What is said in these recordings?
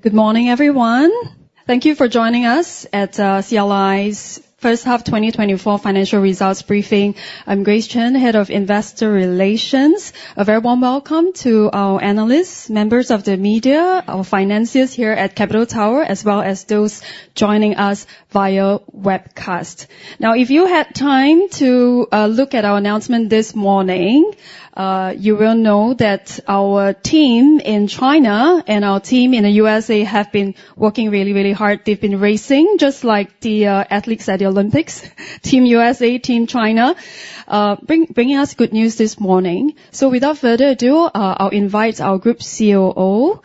Good morning, everyone. Thank you for joining us at CLI's First Half 2024 Financial Results Briefing. I'm Grace Chen, Head of Investor Relations. A very warm welcome to our analysts, members of the media, our financiers here at Capital Tower, as well as those joining us via webcast. Now, if you had time to look at our announcement this morning, you will know that our team in China and our team in the U.S.A. have been working really, really hard. They've been racing, just like the athletes at the Olympics, Team U.S.A., Team China, bringing us good news this morning. So without further ado, I'll invite our Group COO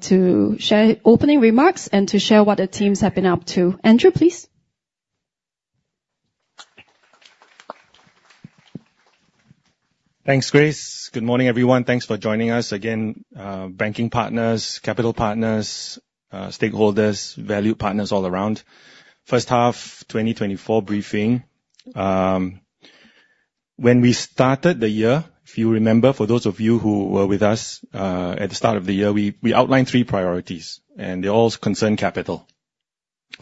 to share opening remarks and to share what the teams have been up to. Andrew, please. Thanks, Grace. Good morning, everyone. Thanks for joining us, again, banking partners, capital partners, stakeholders, valued partners all around. First half 2024 briefing. When we started the year, if you remember, for those of you who were with us, at the start of the year, we, we outlined three priorities, and they all concern capital.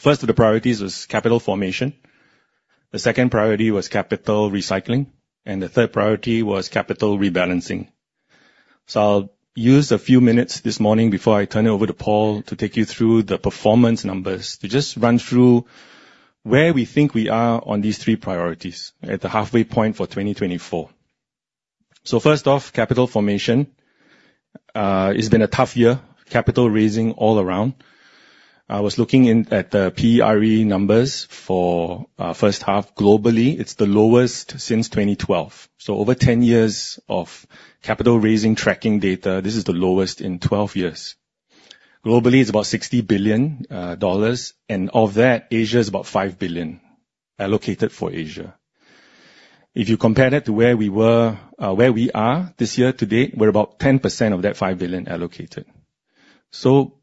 First of the priorities was capital formation, the second priority was capital recycling, and the third priority was capital rebalancing. So I'll use a few minutes this morning before I turn it over to Paul to take you through the performance numbers, to just run through where we think we are on these three priorities at the halfway point for 2024. So first off, capital formation. It's been a tough year, capital raising all around. I was looking at the PERE numbers for first half. Globally, it's the lowest since 2012. So over 10 years of capital raising tracking data, this is the lowest in 12 years. Globally, it's about $60 billion dollars, and of that, Asia is about $5 billion allocated for Asia. If you compare that to where we were... where we are this year to date, we're about 10% of that $5 billion allocated. So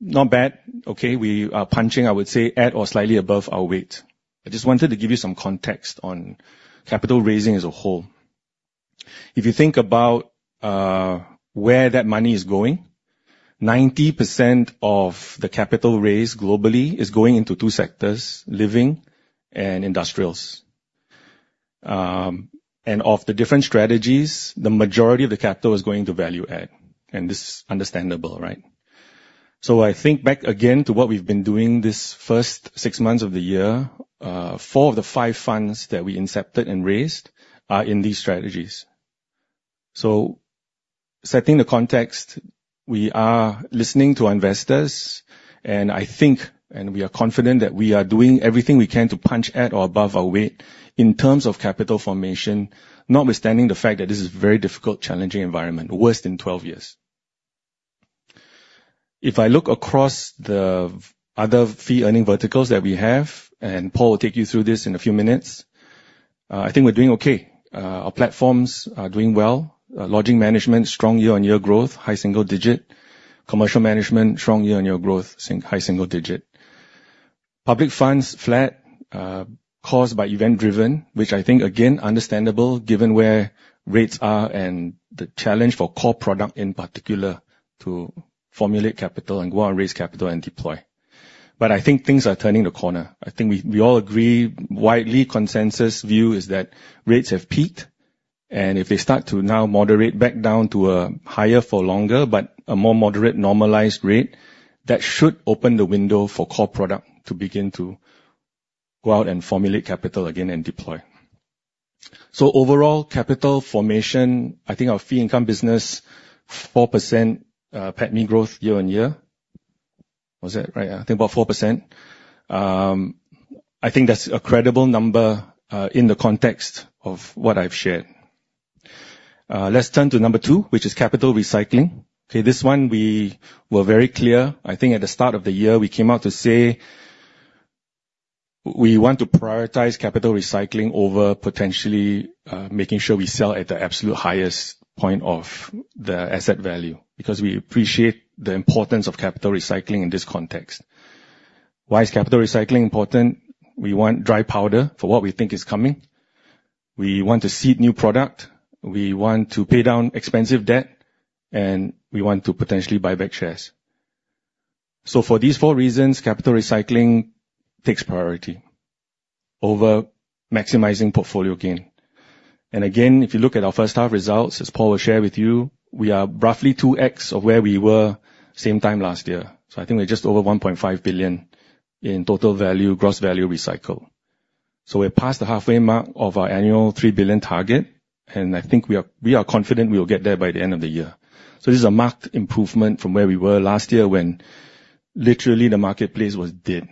not bad. Okay, we are punching, I would say, at or slightly above our weight. I just wanted to give you some context on capital raising as a whole. If you think about, where that money is going, 90% of the capital raised globally is going into two sectors: living and industrials. And of the different strategies, the majority of the capital is going to value add, and this is understandable, right? So I think back again to what we've been doing this first six months of the year, four of the five funds that we incepted and raised are in these strategies. So setting the context, we are listening to investors, and I think, and we are confident, that we are doing everything we can to punch at or above our weight in terms of capital formation, notwithstanding the fact that this is a very difficult, challenging environment, the worst in 12 years. If I look across the other fee-earning verticals that we have, and Paul will take you through this in a few minutes, I think we're doing okay. Our platforms are doing well. Lodging management, strong year-on-year growth, high single digit. Commercial management, strong year-on-year growth, high single digit. Public funds, flat, caused by event-driven, which I think, again, understandable given where rates are and the challenge for core product, in particular, to formulate capital and go out and raise capital and deploy. But I think things are turning the corner. I think we, we all agree, widely consensus view is that rates have peaked, and if they start to now moderate back down to a higher for longer, but a more moderate, normalized rate, that should open the window for core product to begin to go out and formulate capital again and deploy. So overall, capital formation, I think our fee income business, 4% PATMI growth year-on-year. Was that right? Yeah, I think about 4%. I think that's a credible number, in the context of what I've shared. Let's turn to number two, which is capital recycling. Okay, this one, we were very clear. I think at the start of the year, we came out to say we want to prioritize capital recycling over potentially, making sure we sell at the absolute highest point of the asset value, because we appreciate the importance of capital recycling in this context. Why is capital recycling important? We want dry powder for what we think is coming. We want to seed new product, we want to pay down expensive debt, and we want to potentially buy back shares. So for these four reasons, capital recycling takes priority over maximizing portfolio gain. And again, if you look at our first half results, as Paul will share with you, we are roughly 2x of where we were same time last year. So I think we're just over $1.5 billion in total value, gross value recycled. So we're past the halfway mark of our annual $3 billion target, and I think we are, we are confident we will get there by the end of the year. So this is a marked improvement from where we were last year when literally the marketplace was dead,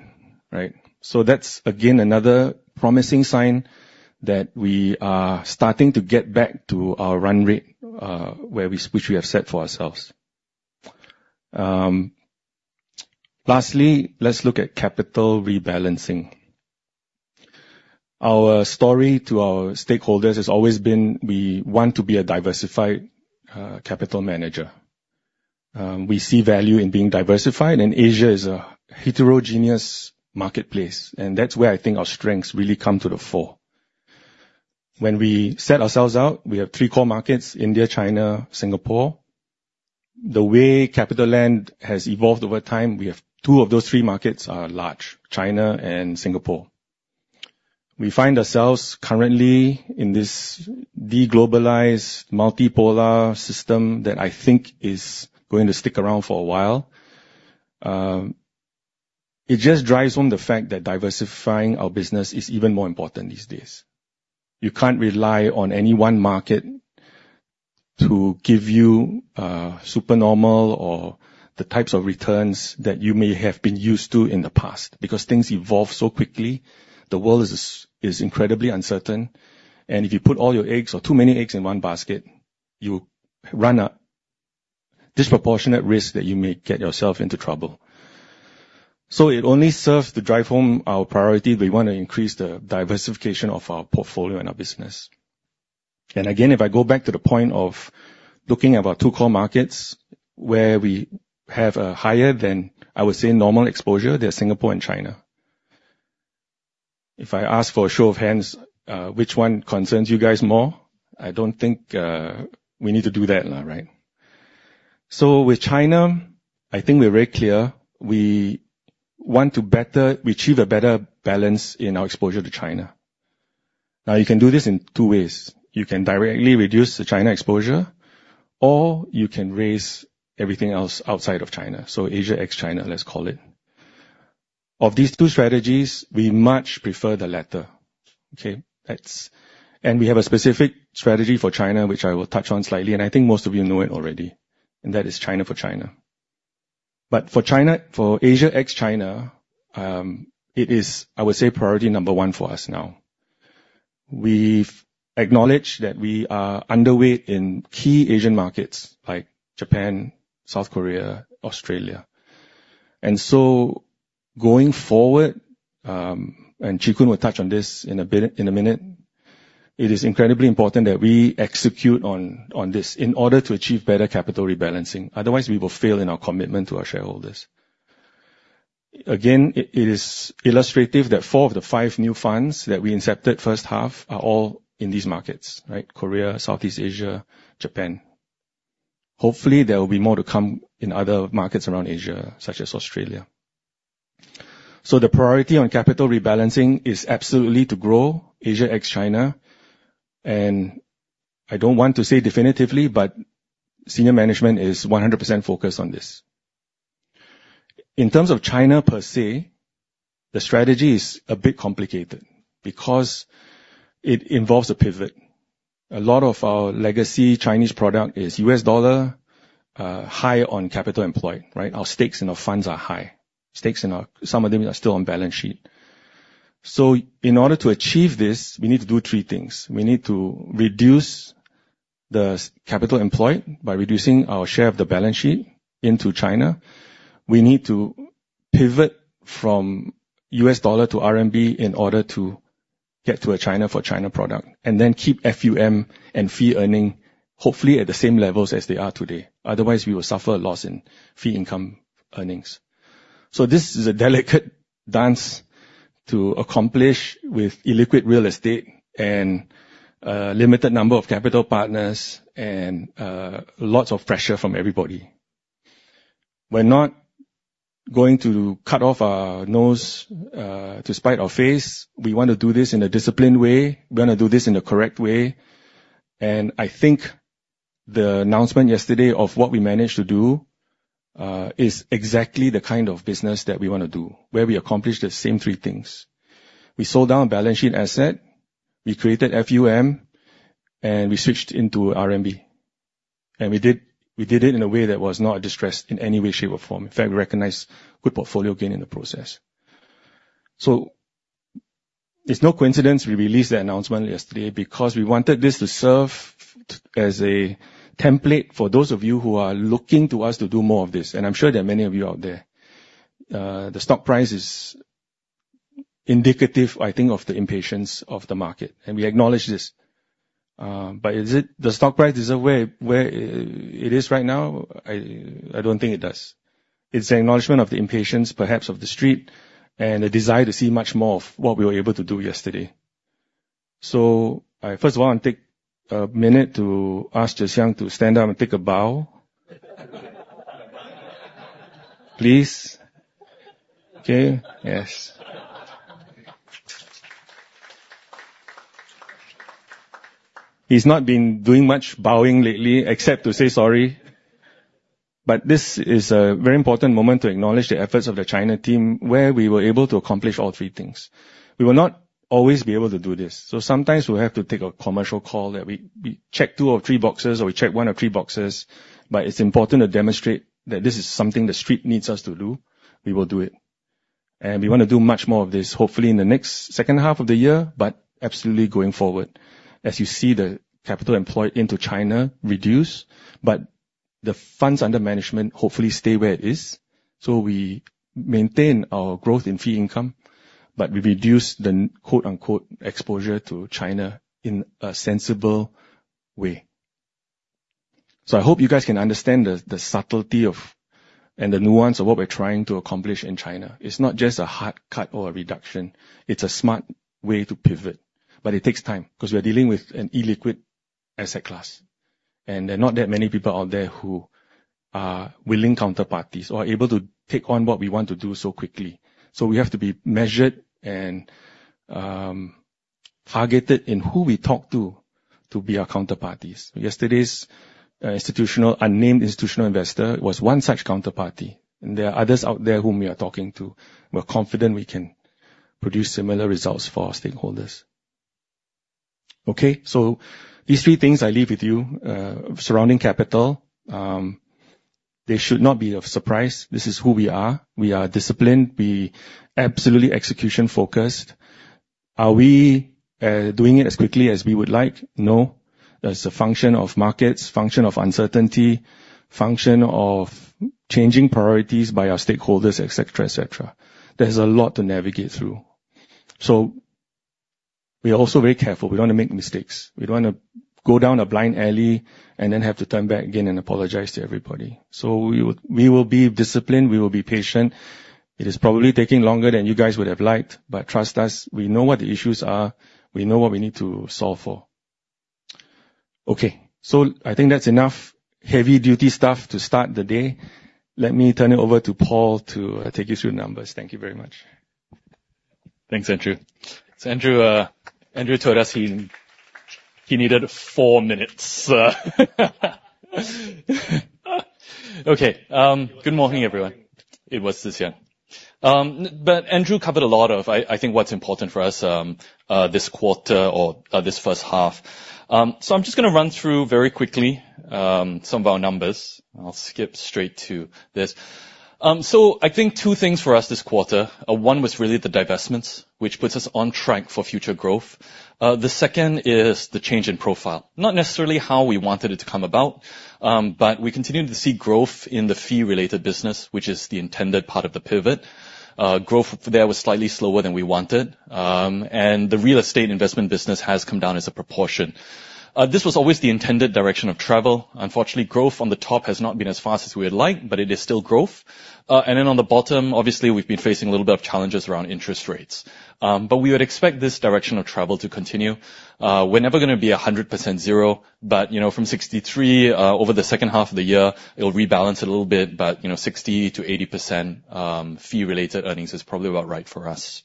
right? So that's again, another promising sign that we are starting to get back to our run rate, where we—which we have set for ourselves. Lastly, let's look at capital rebalancing. Our story to our stakeholders has always been, we want to be a diversified, capital manager. We see value in being diversified, and Asia is a heterogeneous marketplace, and that's where I think our strengths really come to the fore. When we set ourselves out, we have three core markets: India, China, Singapore. The way CapitaLand has evolved over time, we have two of those three markets are large, China and Singapore. We find ourselves currently in this de-globalized, multipolar system that I think is going to stick around for a while. It just drives home the fact that diversifying our business is even more important these days. You can't rely on any one market to give you supernormal or the types of returns that you may have been used to in the past. Because things evolve so quickly, the world is incredibly uncertain, and if you put all your eggs or too many eggs in one basket, you run a disproportionate risk that you may get yourself into trouble. So it only serves to drive home our priority. We want to increase the diversification of our portfolio and our business. Again, if I go back to the point of looking at our two core markets, where we have a higher than, I would say, normal exposure, they're Singapore and China. If I ask for a show of hands, which one concerns you guys more? I don't think we need to do that now, right? So with China, I think we're very clear. We want to better—we achieve a better balance in our exposure to China. Now, you can do this in two ways. You can directly reduce the China exposure, or you can raise everything else outside of China, so Asia ex-China, let's call it. Of these two strategies, we much prefer the latter, okay? That's... And we have a specific strategy for China, which I will touch on slightly, and I think most of you know it already, and that is China for China. But for China, for Asia ex-China, it is, I would say, priority number one for us now. We've acknowledged that we are underweight in key Asian markets like Japan, South Korea, Australia. And so going forward, and Chee Koon will touch on this in a bit, in a minute, it is incredibly important that we execute on this in order to achieve better capital rebalancing. Otherwise, we will fail in our commitment to our shareholders. Again, it is illustrative that four of the five new funds that we incepted first half are all in these markets, right? Korea, Southeast Asia, Japan. Hopefully, there will be more to come in other markets around Asia, such as Australia. So the priority on capital rebalancing is absolutely to grow Asia ex-China, and I don't want to say definitively, but senior management is 100% focused on this. In terms of China per se, the strategy is a bit complicated because it involves a pivot. A lot of our legacy Chinese product is U.S. dollar, high on capital employed, right? Our stakes in our funds are high. Some of them are still on balance sheet. So in order to achieve this, we need to do three things. We need to reduce the capital employed by reducing our share of the balance sheet into China. We need to pivot from U.S. dollar to RMB in order to get to a China for China product, and then keep FUM and fee earning, hopefully at the same levels as they are today. Otherwise, we will suffer a loss in fee income earnings. So this is a delicate dance to accomplish with illiquid real estate and, limited number of capital partners and, lots of pressure from everybody. We're not going to cut off our nose, to spite our face. We want to do this in a disciplined way. We want to do this in a correct way, and I think the announcement yesterday of what we managed to do, is exactly the kind of business that we want to do, where we accomplish the same three things. We sold down balance sheet asset, we created FUM, and we switched into RMB. And we did, we did it in a way that was not distressed in any way, shape, or form. In fact, we recognized good portfolio gain in the process. So it's no coincidence we released that announcement yesterday because we wanted this to serve as a template for those of you who are looking to us to do more of this, and I'm sure there are many of you out there. The stock price is indicative, I think, of the impatience of the market, and we acknowledge this. But is it the stock price where it is right now? I don't think it does. It's an acknowledgment of the impatience, perhaps, of the street, and a desire to see much more of what we were able to do yesterday. So I first of all want to take a minute to ask Tze Shyang to stand up and take a bow. Please. Okay. Yes. He's not been doing much bowing lately, except to say sorry, but this is a very important moment to acknowledge the efforts of the China team, where we were able to accomplish all three things. We will not always be able to do this, so sometimes we'll have to take a commercial call that we, we check two or three boxes, or we check one or three boxes, but it's important to demonstrate that this is something the street needs us to do, we will do it. We want to do much more of this, hopefully in the next second half of the year, but absolutely going forward. As you see, the capital employed into China reduce, but the funds under management hopefully stay where it is, so we maintain our growth in fee income, but we reduce the, quote-unquote, "exposure to China" in a sensible way.... So I hope you guys can understand the subtlety of, and the nuance of what we're trying to accomplish in China. It's not just a hard cut or a reduction, it's a smart way to pivot, but it takes time, 'cause we are dealing with an illiquid asset class, and there are not that many people out there who are willing counterparties or able to take on what we want to do so quickly. So we have to be measured and targeted in who we talk to, to be our counterparties. Yesterday's unnamed institutional investor was one such counterparty, and there are others out there whom we are talking to. We're confident we can produce similar results for our stakeholders. Okay, so these three things I leave with you surrounding capital, they should not be of surprise. This is who we are. We are disciplined. We absolutely execution-focused. Are we doing it as quickly as we would like? No. As a function of markets, function of uncertainty, function of changing priorities by our stakeholders, et cetera, et cetera, there's a lot to navigate through. So we are also very careful. We don't want to make mistakes. We don't want to go down a blind alley and then have to turn back again and apologize to everybody. So we will, we will be disciplined, we will be patient. It is probably taking longer than you guys would have liked, but trust us, we know what the issues are, we know what we need to solve for. Okay, so I think that's enough heavy duty stuff to start the day. Let me turn it over to Paul to take you through the numbers. Thank you very much. Thanks, Andrew. So Andrew told us he needed four minutes. Okay, good morning, everyone. It was this year. But Andrew covered a lot of, I think, what's important for us this quarter or this first half. So I'm just gonna run through very quickly some of our numbers. I'll skip straight to this. So I think two things for us this quarter. One was really the divestments, which puts us on track for future growth. The second is the change in profile. Not necessarily how we wanted it to come about, but we continued to see growth in the fee-related business, which is the intended part of the pivot. Growth there was slightly slower than we wanted, and the real estate investment business has come down as a proportion. This was always the intended direction of travel. Unfortunately, growth on the top has not been as fast as we had liked, but it is still growth. And then on the bottom, obviously, we've been facing a little bit of challenges around interest rates. But we would expect this direction of travel to continue. We're never gonna be 100% zero, but, you know, from 63%, over the second half of the year, it'll rebalance a little bit, but, you know, 60%-80%, fee-related earnings is probably about right for us.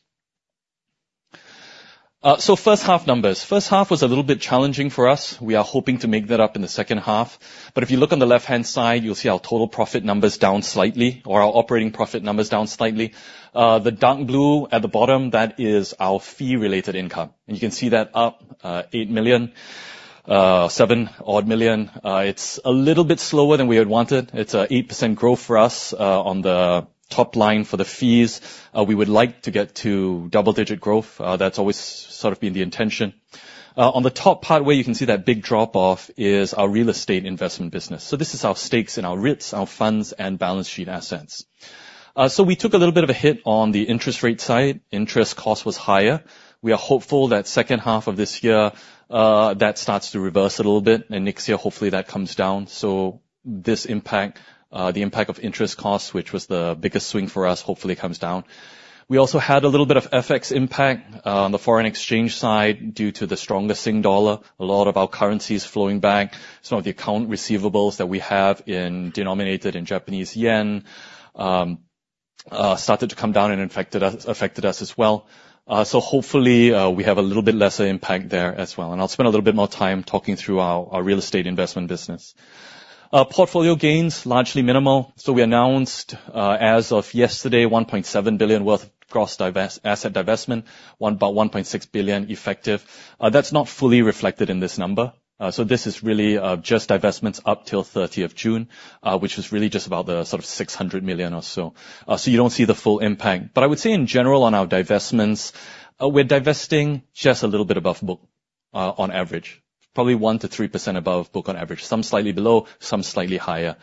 First half numbers. First half was a little bit challenging for us. We are hoping to make that up in the second half. But if you look on the left-hand side, you'll see our total profit numbers down slightly, or our operating profit numbers down slightly. The dark blue at the bottom, that is our fee-related income, and you can see that up $8 million, $7 odd million. It's a little bit slower than we had wanted. It's an 8% growth for us, on the top line for the fees. We would like to get to double-digit growth. That's always sort of been the intention. On the top part, where you can see that big drop-off is our real estate investment business. So this is our stakes and our REITs, our funds, and balance sheet assets. So we took a little bit of a hit on the interest rate side. Interest cost was higher. We are hopeful that second half of this year, that starts to reverse a little bit, and next year, hopefully, that comes down. So this impact, the impact of interest costs, which was the biggest swing for us, hopefully comes down. We also had a little bit of FX impact on the foreign exchange side due to the stronger Singapore dollar. A lot of our currency is flowing back. Some of the accounts receivable that we have denominated in Japanese yen started to come down and affected us as well. So hopefully, we have a little bit lesser impact there as well. And I'll spend a little bit more time talking through our real estate investment business. Our portfolio gains, largely minimal. So we announced, as of yesterday, $1.7 billion worth of gross asset divestment, about $1.6 billion effective. That's not fully reflected in this number. So this is really just divestments up till 30th of June, which is really just about the sort of $600 million or so. So you don't see the full impact. But I would say in general, on our divestments, we're divesting just a little bit above book, on average, probably 1%-3% above book on average. Some slightly below, some slightly higher.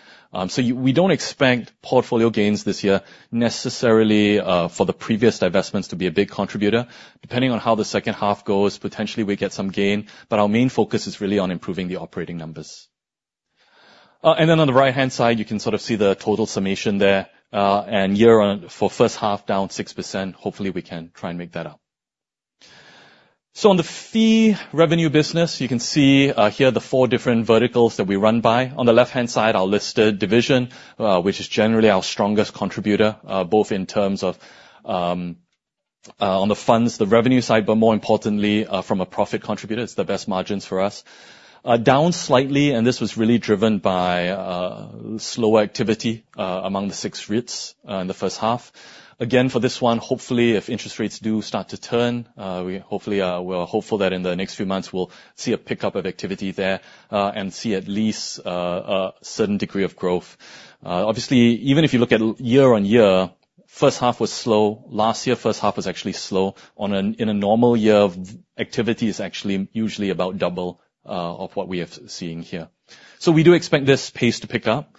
So we don't expect portfolio gains this year necessarily, for the previous divestments to be a big contributor. Depending on how the second half goes, potentially we get some gain, but our main focus is really on improving the operating numbers. And then on the right-hand side, you can sort of see the total summation there, and year-on-year for first half, down 6%. Hopefully, we can try and make that up. So on the fee revenue business, you can see, here the four different verticals that we run by. On the left-hand side, our listed division, which is generally our strongest contributor, both in terms of, on the funds, the revenue side, but more importantly, from a profit contributor, it's the best margins for us. Down slightly, and this was really driven by, slower activity, among the six REITs, in the first half. Again, for this one, hopefully, if interest rates do start to turn, we are hopeful that in the next few months we'll see a pickup of activity there, and see at least, a certain degree of growth. Obviously, even if you look at year-on-year, first half was slow. Last year, first half was actually slow. In a normal year, of activity is actually usually about double of what we are seeing here. So we do expect this pace to pick up.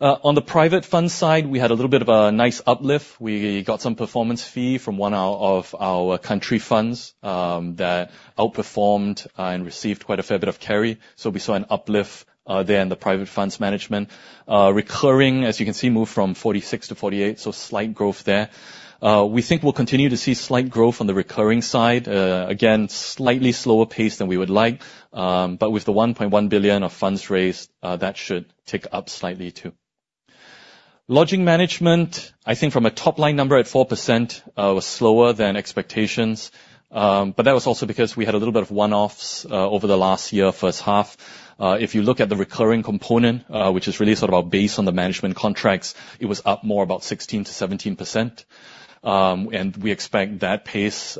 On the private fund side, we had a little bit of a nice uplift. We got some performance fee from one of our country funds that outperformed and received quite a fair bit of carry. So we saw an uplift there in the private funds management. Recurring, as you can see, moved from 46 to 48, so slight growth there. We think we'll continue to see slight growth on the recurring side. Again, slightly slower pace than we would like, but with the $1.1 billion of funds raised, that should tick up slightly, too. Lodging management, I think from a top-line number at 4%, was slower than expectations. But that was also because we had a little bit of one-offs, over the last year, first half. If you look at the recurring component, which is really sort of our base on the management contracts, it was up more about 16%-17%. And we expect that pace,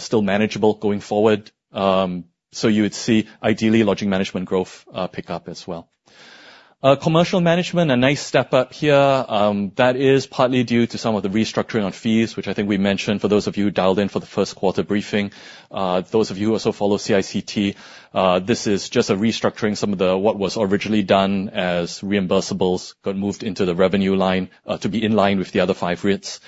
still manageable going forward. So you would see, ideally, lodging management growth, pick up as well. Commercial management, a nice step up here. That is partly due to some of the restructuring on fees, which I think we mentioned, for those of you who dialed in for the first quarter briefing. Those of you who also follow CICT, this is just a restructuring. Some of the what was originally done as reimbursables got moved into the revenue line, to be in line with the other five REITs.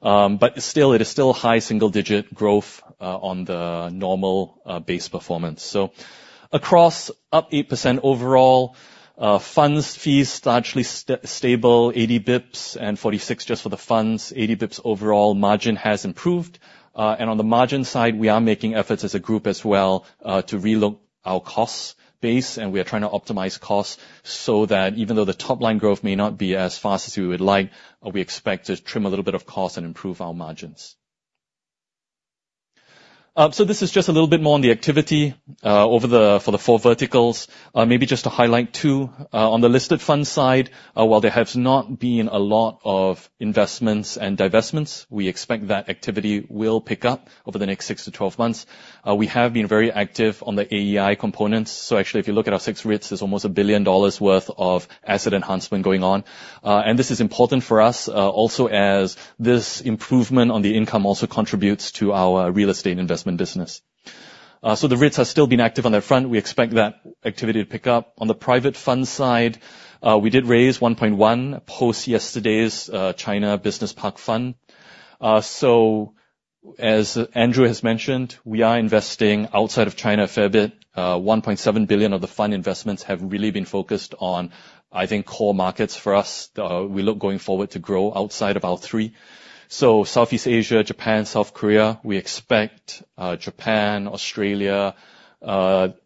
But still, it is still high single-digit growth, on the normal base performance. So across, up 8% overall. Funds fees, largely stable, 80 basis points, and 46 basis points just for the funds. 80 basis points overall margin has improved. And on the margin side, we are making efforts as a group as well, to relook our cost base, and we are trying to optimize costs so that even though the top-line growth may not be as fast as we would like, we expect to trim a little bit of cost and improve our margins. So this is just a little bit more on the activity, over the for the four verticals. Maybe just to highlight, too, on the listed funds side, while there has not been a lot of investments and divestments, we expect that activity will pick up over the next 6-12 months. We have been very active on the AEI components. Actually, if you look at our 6 REITs, there's almost $1 billion worth of asset enhancement going on. This is important for us, also as this improvement on the income also contributes to our real estate investment business. The REITs have still been active on that front. We expect that activity to pick up. On the private funds side, we did raise $1.1 billion post yesterday's China Business Park Fund. As Andrew has mentioned, we are investing outside of China a fair bit. One point seven billion of the fund investments have really been focused on, I think, core markets for us. We look going forward to grow outside of our three. So Southeast Asia, Japan, South Korea, we expect, Japan, Australia,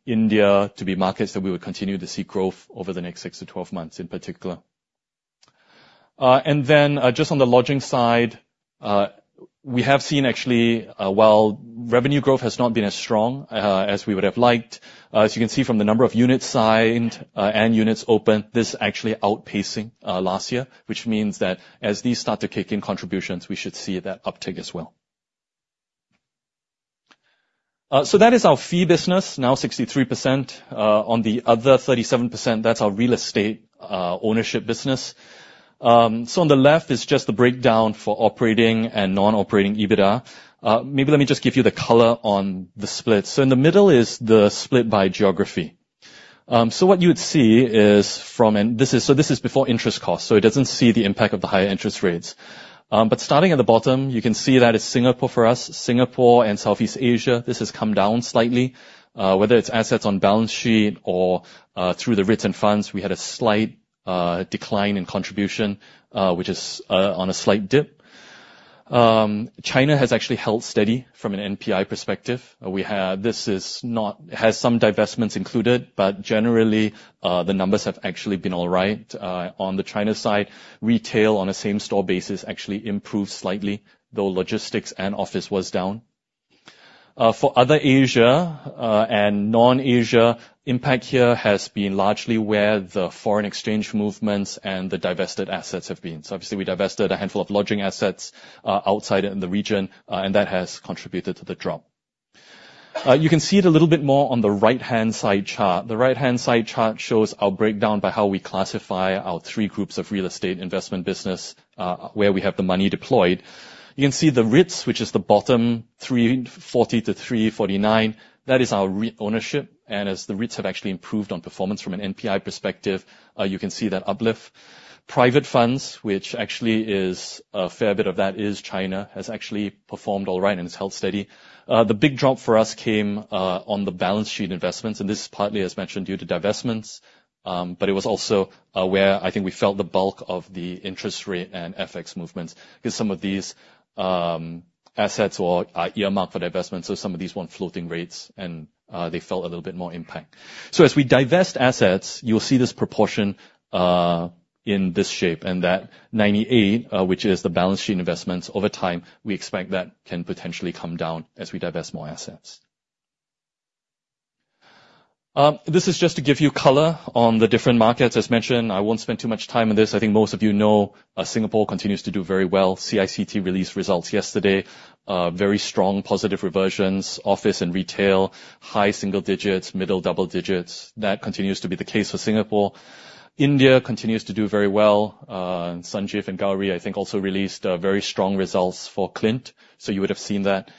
India, to be markets that we would continue to see growth over the next 6-12 months, in particular. And then, just on the lodging side, we have seen actually, while revenue growth has not been as strong, as we would have liked, as you can see from the number of units signed, and units opened, this actually outpacing, last year. Which means that as these start to kick in contributions, we should see that uptick as well. So that is our fee business, now 63%. On the other 37%, that's our real estate ownership business. So on the left is just the breakdown for operating and non-operating EBITDA. Maybe let me just give you the color on the split. So in the middle is the split by geography. So what you would see is. So this is before interest cost, so it doesn't see the impact of the higher interest rates. But starting at the bottom, you can see that it's Singapore for us. Singapore and Southeast Asia, this has come down slightly. Whether it's assets on balance sheet or through the REITs and funds, we had a slight decline in contribution, which is on a slight dip. China has actually held steady from an NPI perspective. We have— This is not... It has some divestments included, but generally, the numbers have actually been all right. On the China side, retail, on a same-store basis, actually improved slightly, though logistics and office was down. For other Asia, and non-Asia, impact here has been largely where the foreign exchange movements and the divested assets have been. So obviously, we divested a handful of lodging assets, outside in the region, and that has contributed to the drop. You can see it a little bit more on the right-hand side chart. The right-hand side chart shows our breakdown by how we classify our three groups of real estate investment business, where we have the money deployed. You can see the REITs, which is the bottom $340 million-$349 million. That is our REIT ownership, and as the REITs have actually improved on performance from an NPI perspective, you can see that uplift. Private funds, which actually is a fair bit of that, is China, has actually performed all right and has held steady. The big drop for us came on the balance sheet investments, and this is partly, as mentioned, due to divestments. But it was also where I think we felt the bulk of the interest rate and FX movements. Because some of these assets or earmarked for divestment, so some of these want floating rates, and they felt a little bit more impact. So as we divest assets, you'll see this proportion in this shape, and that 98, which is the balance sheet investments, over time, we expect that can potentially come down as we divest more assets. This is just to give you color on the different markets. As mentioned, I won't spend too much time on this. I think most of you know, Singapore continues to do very well. CICT released results yesterday. Very strong, positive reversions. Office and retail, high single digits, middle double digits. That continues to be the case for Singapore. India continues to do very well. Sanjeev and Gauri, I think, also released very strong results for CLINT. So you would have seen that.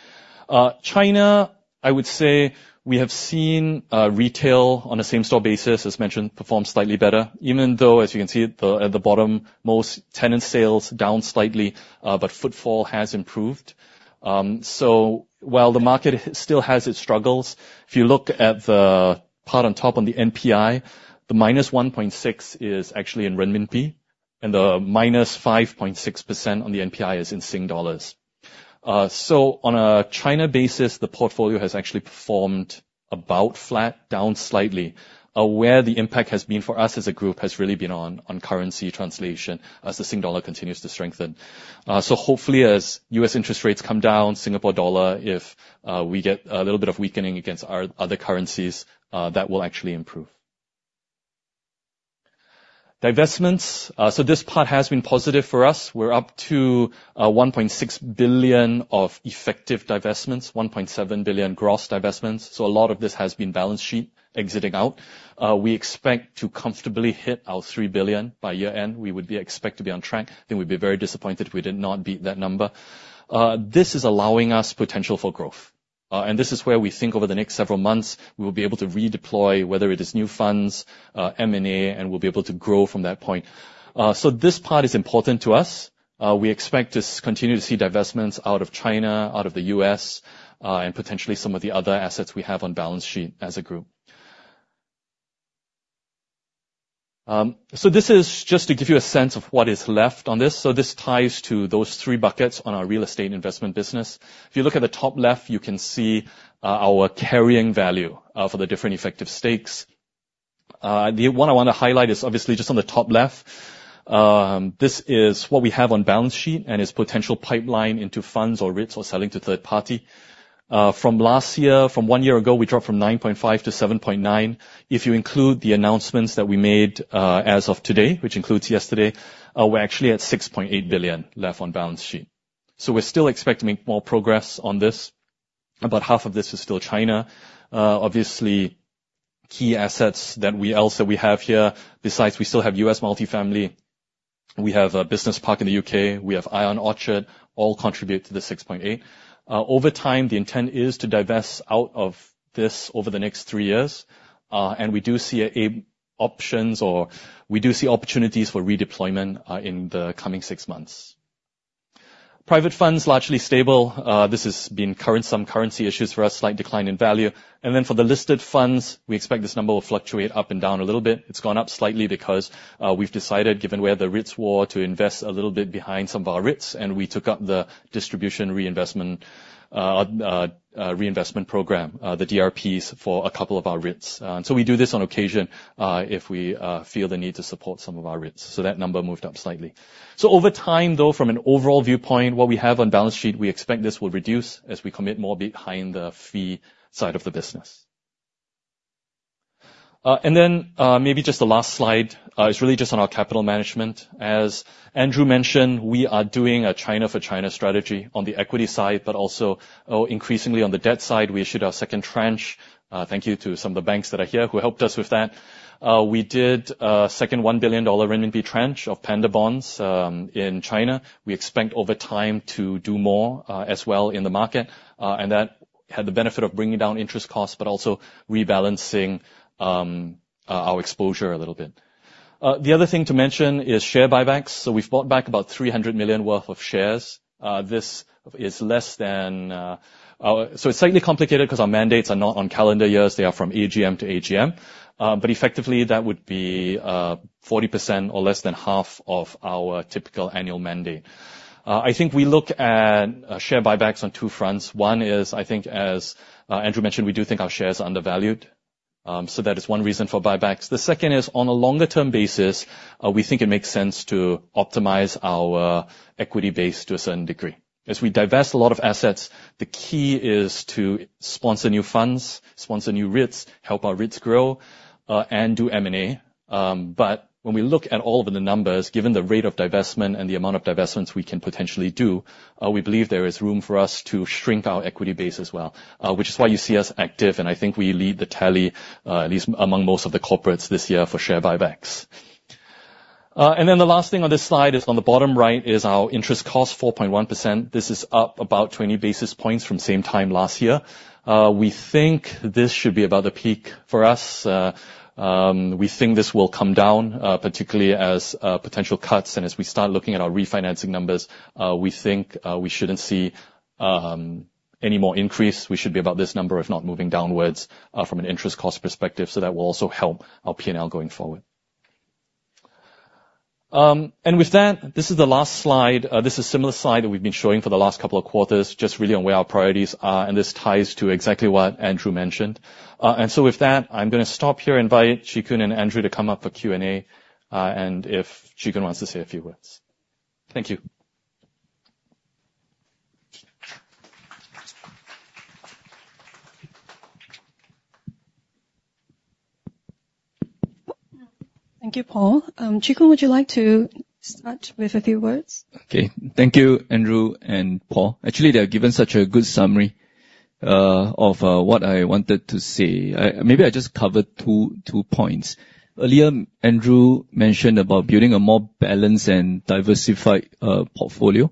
China-... I would say we have seen, retail on a same-store basis, as mentioned, perform slightly better, even though, as you can see at the, at the bottom, most tenant sales down slightly, but footfall has improved. So while the market still has its struggles, if you look at the part on top, on the NPI, the -1.6 is actually in RMB, and the -5.6% on the NPI is in Singapore dollars. So on a China basis, the portfolio has actually performed about flat, down slightly. Where the impact has been for us as a group has really been on, on currency translation as the Singapore dollar continues to strengthen. So hopefully, as U.S. interest rates come down, Singapore dollar, if we get a little bit of weakening against our other currencies, that will actually improve. Divestments. So this part has been positive for us. We're up to $1.6 billion of effective divestments, $1.7 billion gross divestments, so a lot of this has been balance sheet exiting out. We expect to comfortably hit our $3 billion by year-end. We would expect to be on track, and we'd be very disappointed if we did not beat that number. This is allowing us potential for growth, and this is where we think over the next several months, we will be able to redeploy, whether it is new funds, M&A, and we'll be able to grow from that point. So this part is important to us. We expect to continue to see divestments out of China, out of the U.S., and potentially some of the other assets we have on balance sheet as a group. So this is just to give you a sense of what is left on this. So this ties to those three buckets on our real estate investment business. If you look at the top left, you can see our carrying value for the different effective stakes. The one I want to highlight is obviously just on the top left. This is what we have on balance sheet, and it's potential pipeline into funds or REITs or selling to third party. From last year, from one year ago, we dropped from $ 9.5 million to $7.9 million. If you include the announcements that we made as of today, which includes yesterday, we're actually at $6.8 billion left on balance sheet. So we're still expecting more progress on this. About half of this is still China. Obviously, key assets that we have here, besides, we still have U.S. multifamily, we have a business park in the U.K., we have ION Orchard, all contribute to the $6.8 million. Over time, the intent is to divest out of this over the next three years, and we do see options or we do see opportunities for redeployment in the coming six months. Private funds, largely stable. This has been currency issues for us, slight decline in value. And then for the listed funds, we expect this number will fluctuate up and down a little bit. It's gone up slightly because we've decided, given we have the REITs war, to invest a little bit behind some of our REITs, and we took up the Distribution Reinvestment, Reinvestment Program, the DRPs for a couple of our REITs. And so we do this on occasion, if we feel the need to support some of our REITs, so that number moved up slightly. So over time, though, from an overall viewpoint, what we have on balance sheet, we expect this will reduce as we commit more behind the fee side of the business. And then, maybe just the last slide is really just on our capital management. As Andrew mentioned, we are doing a China for China strategy on the equity side, but also, increasingly on the debt side. We issued our second tranche. Thank you to some of the banks that are here who helped us with that. We did a second 1 billion renminbi tranche of Panda bonds, in China. We expect over time to do more, as well in the market, and that had the benefit of bringing down interest costs, but also rebalancing, our exposure a little bit. The other thing to mention is share buybacks. So we've bought back about $300 million worth of shares. This is less than... So it's slightly complicated, because our mandates are not on calendar years, they are from AGM-to-AGM. But effectively, that would be 40% or less than half of our typical annual mandate. I think we look at share buybacks on two fronts. One is, I think, as Andrew mentioned, we do think our shares are undervalued. So that is one reason for buybacks. The second is, on a longer-term basis, we think it makes sense to optimize our equity base to a certain degree. As we divest a lot of assets, the key is to sponsor new funds, sponsor new REITs, help our REITs grow, and do M&A. But when we look at all of the numbers, given the rate of divestment and the amount of divestments we can potentially do, we believe there is room for us to shrink our equity base as well, which is why you see us active, and I think we lead the tally, at least among most of the corporates this year for share buybacks. And then the last thing on this slide is on the bottom right, is our interest cost, 4.1%. This is up about 20 basis points from same time last year. We think this should be about the peak for us. We think this will come down, particularly as, potential cuts, and as we start looking at our refinancing numbers, we think, we shouldn't see, any more increase. We should be about this number, if not moving downwards, from an interest cost perspective, so that will also help our P&L going forward. And with that, this is the last slide. This is a similar slide that we've been showing for the last couple of quarters, just really on where our priorities are, and this ties to exactly what Andrew mentioned. And so with that, I'm gonna stop here and invite Chee Koon and Andrew to come up for Q&A, and if Chee Koon wants to say a few words. Thank you. Thank you, Paul. Chee Koon, would you like to start with a few words? Okay. Thank you, Andrew and Paul. Actually, they have given such a good summary of what I wanted to say. Maybe I just cover two, two points. Earlier, Andrew mentioned about building a more balanced and diversified portfolio....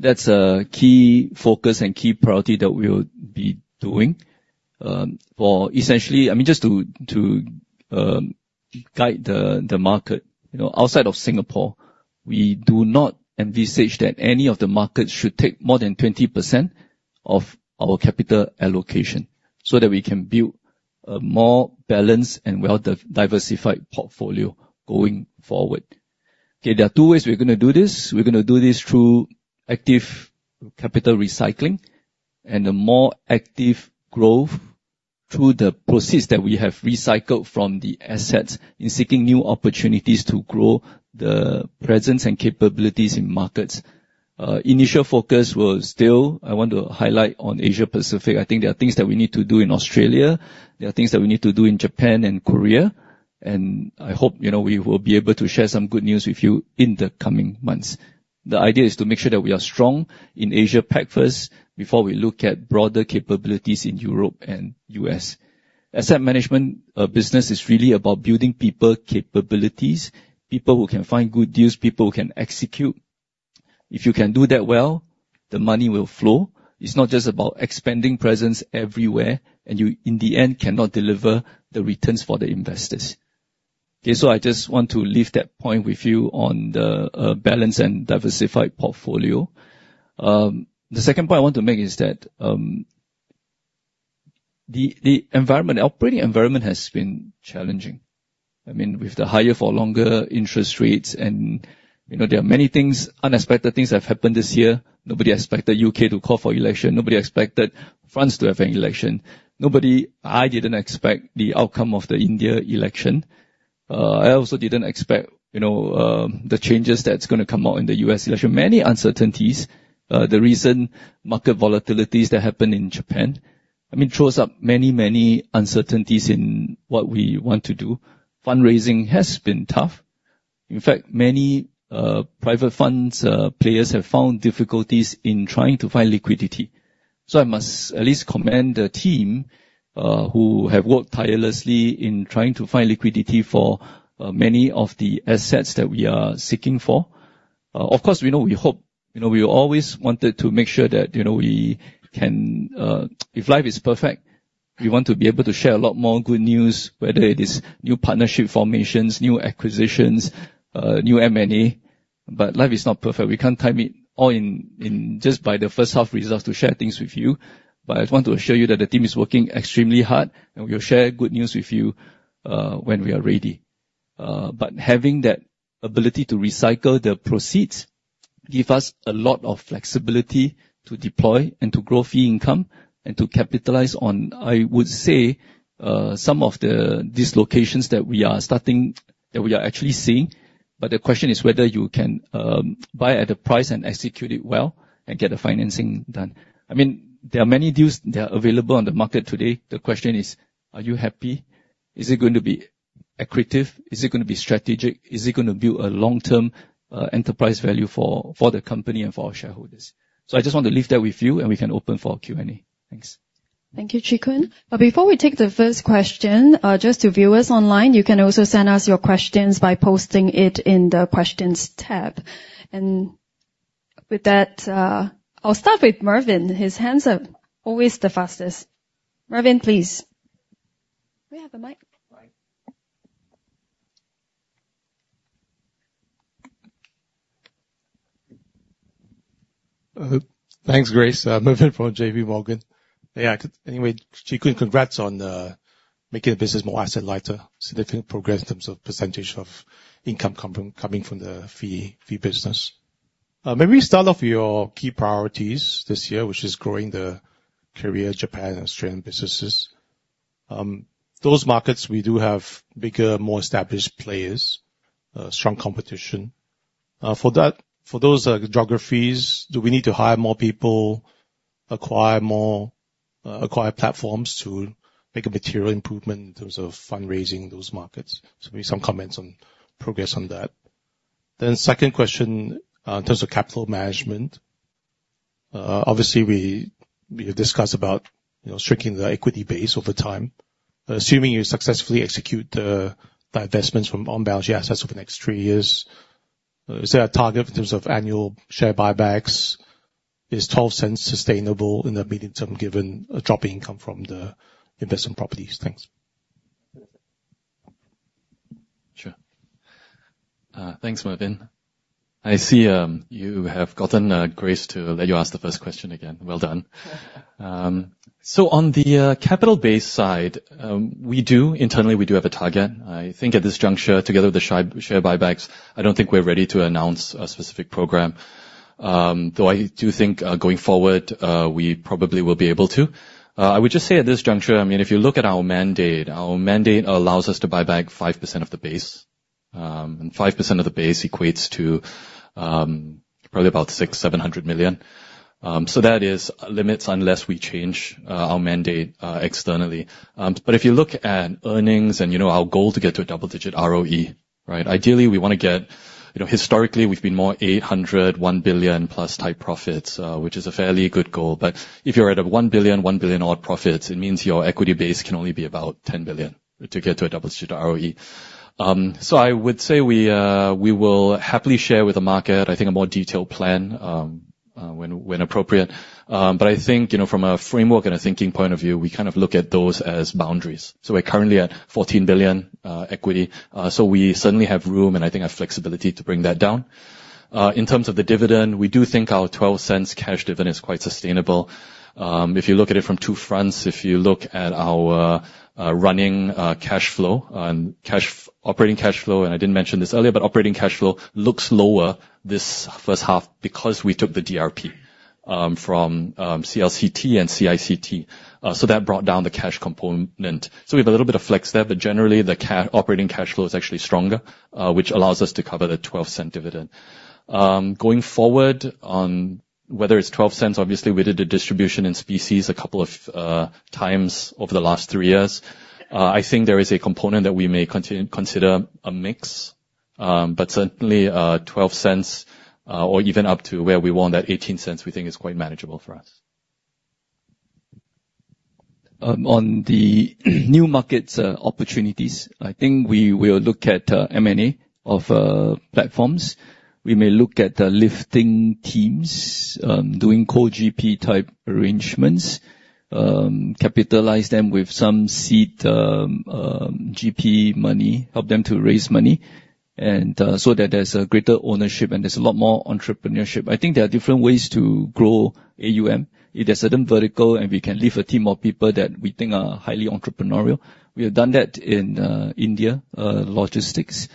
That's a key focus and key priority that we will be doing. For essentially, I mean, just to guide the market, you know, outside of Singapore, we do not envisage that any of the markets should take more than 20% of our capital allocation, so that we can build a more balanced and well-diversified portfolio going forward. Okay, there are two ways we're gonna do this. We're gonna do this through active capital recycling and a more active growth through the proceeds that we have recycled from the assets in seeking new opportunities to grow the presence and capabilities in markets. Initial focus was still, I want to highlight on Asia Pacific. I think there are things that we need to do in Australia. There are things that we need to do in Japan and Korea, and I hope, you know, we will be able to share some good news with you in the coming months. The idea is to make sure that we are strong in Asia Pac first, before we look at broader capabilities in Europe and U.S. Asset management business is really about building people capabilities, people who can find good deals, people who can execute. If you can do that well, the money will flow. It's not just about expanding presence everywhere, and you, in the end, cannot deliver the returns for the investors. Okay, so I just want to leave that point with you on the balanced and diversified portfolio. The second point I want to make is that the environment, operating environment has been challenging. I mean, with the higher for longer interest rates, and, you know, there are many things, unexpected things, have happened this year. Nobody expected U.K. to call for election. Nobody expected France to have an election. Nobody. I didn't expect the outcome of the India election. I also didn't expect, you know, the changes that's gonna come out in the U.S. election. Many uncertainties. The recent market volatilities that happened in Japan, I mean, throws up many, many uncertainties in what we want to do. Fundraising has been tough. In fact, many private funds players have found difficulties in trying to find liquidity. So I must at least commend the team who have worked tirelessly in trying to find liquidity for many of the assets that we are seeking for. Of course, we know, we hope, you know, we always wanted to make sure that, you know, we can... If life is perfect, we want to be able to share a lot more good news, whether it is new partnership formations, new acquisitions, new M&A, but life is not perfect. We can't time it all in, in just by the first half results to share things with you. But I want to assure you that the team is working extremely hard, and we'll share good news with you, when we are ready. But having that ability to recycle the proceeds give us a lot of flexibility to deploy and to grow fee income and to capitalize on, I would say, some of the dislocations that we are starting, that we are actually seeing. But the question is whether you can buy at a price and execute it well and get the financing done. I mean, there are many deals that are available on the market today. The question is, are you happy? Is it going to be accretive? Is it gonna be strategic? Is it gonna build a long-term enterprise value for the company and for our shareholders? So I just want to leave that with you, and we can open for Q&A. Thanks. Thank you, Chee Koon. Before we take the first question, just to viewers online, you can also send us your questions by posting it in the Questions tab. And with that, I'll start with Mervin. His hands are always the fastest. Mervin, please. We have a mic? Right. Thanks, Grace. Mervin from J.P. Morgan. Yeah, anyway, Chee Koon, congrats on making the business more asset lighter. Significant progress in terms of percentage of income coming, coming from the fee, fee business. Maybe start off your key priorities this year, which is growing the Korea, Japan, and Australian businesses. Those markets, we do have bigger, more established players, strong competition. For that, for those geographies, do we need to hire more people, acquire more, acquire platforms to make a material improvement in terms of fundraising those markets? So maybe some comments on progress on that. Then second question, in terms of capital management. Obviously, we, we discussed about, you know, shrinking the equity base over time. Assuming you successfully execute the investments from on-balance sheet assets over the next three years, is there a target in terms of annual share buybacks? Is $0.12 sustainable in the medium term, given a drop in income from the investment properties? Thanks. Sure. Thanks, Mervin. I see, you have gotten, Grace to let you ask the first question again. Well done. So on the, capital base side, we do... Internally, we do have a target. I think at this juncture, together with the share buybacks, I don't think we're ready to announce a specific program. Though I do think, going forward, we probably will be able to. I would just say at this juncture, I mean, if you look at our mandate, our mandate allows us to buy back 5% of the base. And 5% of the base equates to, probably about $600 million-$700 million. So that is limits, unless we change, our mandate, externally. But if you look at earnings and, you know, our goal to get to a double-digit ROE, right? Ideally, we wanna get... You know, historically, we've been more $800 million, $1+ billion type profits, which is a fairly good goal. But if you're at a $1 billion, $1 billion-odd profits, it means your equity base can only be about $10 billion to get to a double-digit ROE. So I would say we, we will happily share with the market, I think, a more detailed plan,... when appropriate. But I think, you know, from a framework and a thinking point of view, we kind of look at those as boundaries. So we're currently at $14 billion equity. So we certainly have room, and I think a flexibility to bring that down. In terms of the dividend, we do think our $0.12 cash dividend is quite sustainable. If you look at it from two fronts, if you look at our running cash flow and cash operating cash flow, and I didn't mention this earlier, but operating cash flow looks lower this first half because we took the DRP from CLCT and CICT. So that brought down the cash component. So we have a little bit of flex there, but generally, the operating cash flow is actually stronger, which allows us to cover the $0.12 dividend. Going forward, on whether it's $0.12, obviously, we did a distribution in specie a couple of times over the last three years. I think there is a component that we may consider a mix, but certainly, $0.12, or even up to where we want that $0.18, we think is quite manageable for us. On the new markets, opportunities, I think we will look at M&A of platforms. We may look at the lifting teams, doing co-GP-type arrangements, capitalize them with some seed GP money, help them to raise money, and so that there's a greater ownership, and there's a lot more entrepreneurship. I think there are different ways to grow AUM. If there's certain vertical and we can lift a team of people that we think are highly entrepreneurial. We have done that in India, logistics.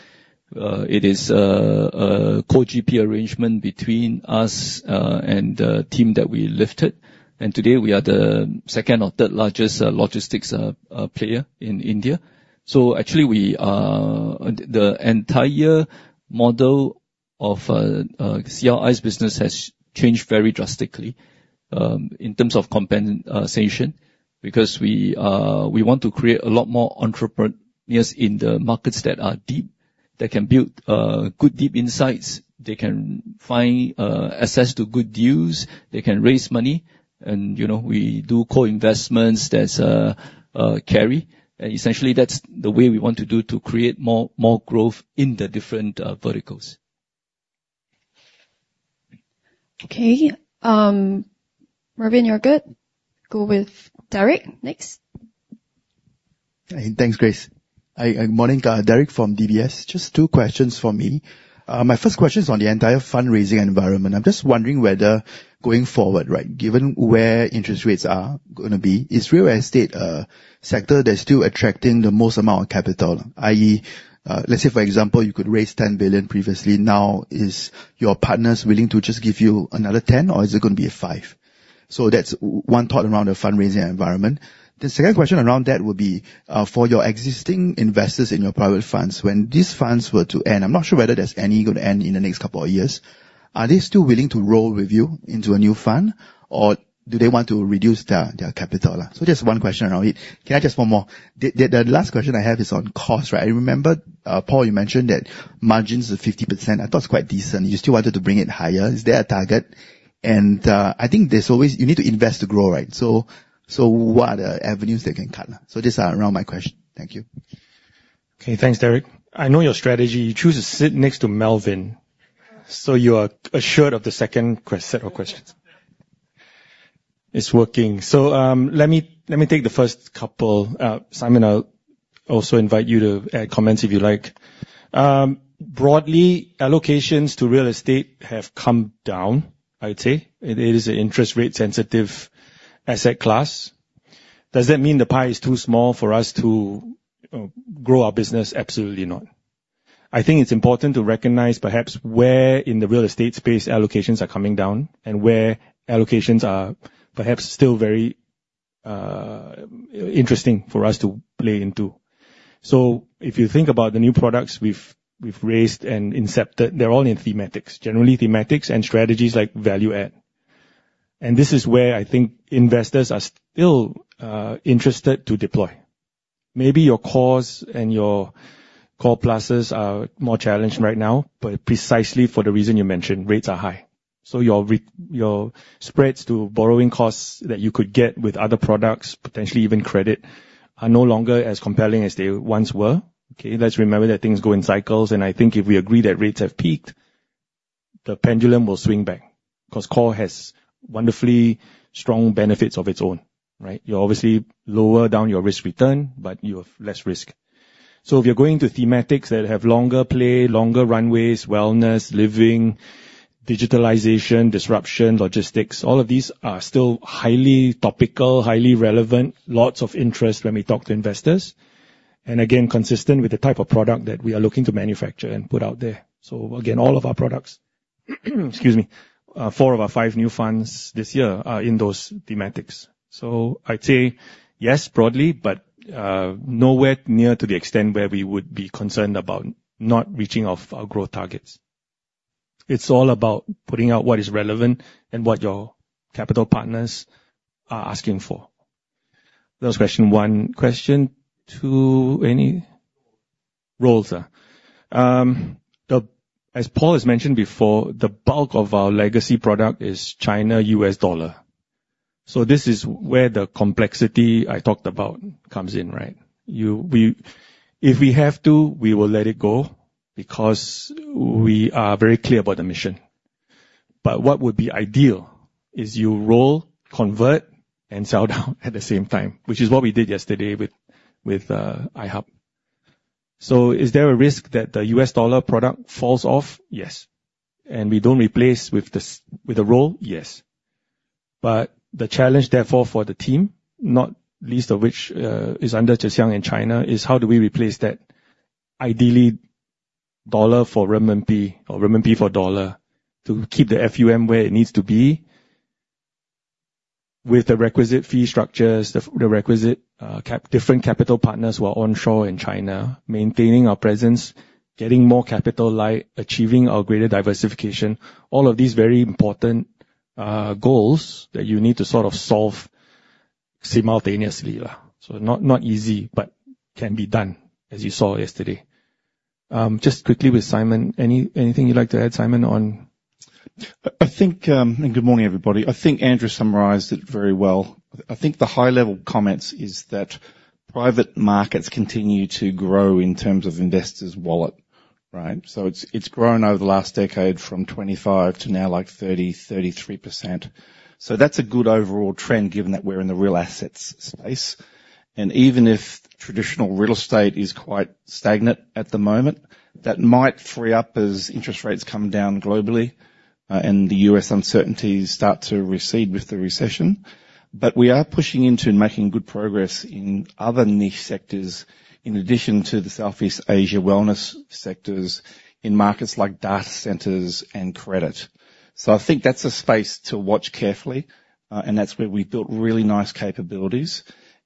It is a co-GP arrangement between us and the team that we lifted. And today, we are the second or third largest logistics player in India. So actually, the entire model of CLI's business has changed very drastically in terms of compensation, because we want to create a lot more entrepreneurs in the markets that are deep that can build good, deep insights. They can find access to good deals. They can raise money, and you know, we do co-investments. There's carry. And essentially, that's the way we want to do to create more growth in the different verticals. Okay. Melvin, you're good? Go with Derek next. Thanks, Grace. Hi, morning, Derek from DBS. Just two questions for me. My first question is on the entire fundraising environment. I'm just wondering whether going forward, right, given where interest rates are gonna be, is real estate a sector that's still attracting the most amount of capital? i.e., let's say, for example, you could raise $10 billion previously, now, is your partners willing to just give you another $10 billion, or is it gonna be a $5 billion? So that's 1 thought around the fundraising environment. The second question around that would be, for your existing investors in your private funds, when these funds were to end, I'm not sure whether there's any going to end in the next couple of years, are they still willing to roll with you into a new fund, or do they want to reduce their, their capital? So just one question around it. Can I ask just one more? The last question I have is on cost, right? I remember, Paul, you mentioned that margins are 50%. I thought it's quite decent. You still wanted to bring it higher. Is there a target? And I think there's always... You need to invest to grow, right? So what are the avenues they can cut? So these are around my question. Thank you. Okay, thanks, Derek. I know your strategy. You choose to sit next to Mervin, so you are assured of the second set of questions. It's working. So, let me take the first couple. Simon, I'll also invite you to add comments if you like. Broadly, allocations to real estate have come down, I'd say. It is an interest rate-sensitive asset class. Does that mean the pie is too small for us to grow our business? Absolutely not. I think it's important to recognize perhaps where in the real estate space, allocations are coming down and where allocations are perhaps still very interesting for us to play into. So if you think about the new products we've raised and incepted, they're all in thematics. Generally, thematics and strategies like value add. And this is where I think investors are still interested to deploy. Maybe your costs and your core pluses are more challenged right now, but precisely for the reason you mentioned, rates are high. So your spreads to borrowing costs that you could get with other products, potentially even credit, are no longer as compelling as they once were. Okay, let's remember that things go in cycles, and I think if we agree that rates have peaked, the pendulum will swing back, because core has wonderfully strong benefits of its own, right? You obviously lower down your risk return, but you have less risk. So if you're going to thematics that have longer play, longer runways, wellness, living, digitalization, disruption, logistics, all of these are still highly topical, highly relevant, lots of interest when we talk to investors, and again, consistent with the type of product that we are looking to manufacture and put out there. So again, all of our products, excuse me, four of our five new funds this year are in those thematics. So I'd say yes, broadly, but nowhere near to the extent where we would be concerned about not reaching of our growth targets. It's all about putting out what is relevant and what your capital partners are asking for. That was question one. Question two, any? Roles, as Paul has mentioned before, the bulk of our legacy product is China, U.S. dollar... So this is where the complexity I talked about comes in, right? We if we have to, we will let it go, because we are very clear about the mission. But what would be ideal is you roll, convert, and sell down at the same time, which is what we did yesterday with iHub. So is there a risk that the U.S. dollar product falls off? Yes. And we don't replace with a roll? Yes. But the challenge, therefore, for the team, not least of which is under Tze Shyang in China, is how do we replace that, ideally, dollar for renminbi or renminbi for dollar, to keep the FUM where it needs to be, with the requisite fee structures, the, the requisite, different capital partners who are onshore in China, maintaining our presence, getting more capital light, achieving our greater diversification, all of these very important goals that you need to sort of solve simultaneously. So not easy, but can be done, as you saw yesterday. Just quickly with Simon, anything you'd like to add, Simon, on? I think, and good morning, everybody. I think Andrew summarized it very well. I think the high-level comments is that private markets continue to grow in terms of investors' wallet, right? So it's grown over the last decade from 25% to now, like 30%-33%. So that's a good overall trend, given that we're in the real assets space. And even if traditional real estate is quite stagnant at the moment, that might free up as interest rates come down globally, and the U.S. uncertainties start to recede with the recession. But we are pushing into and making good progress in other niche sectors, in addition to the Southeast Asia wellness sectors, in markets like data centers and credit. So I think that's a space to watch carefully, and that's where we've built really nice capabilities.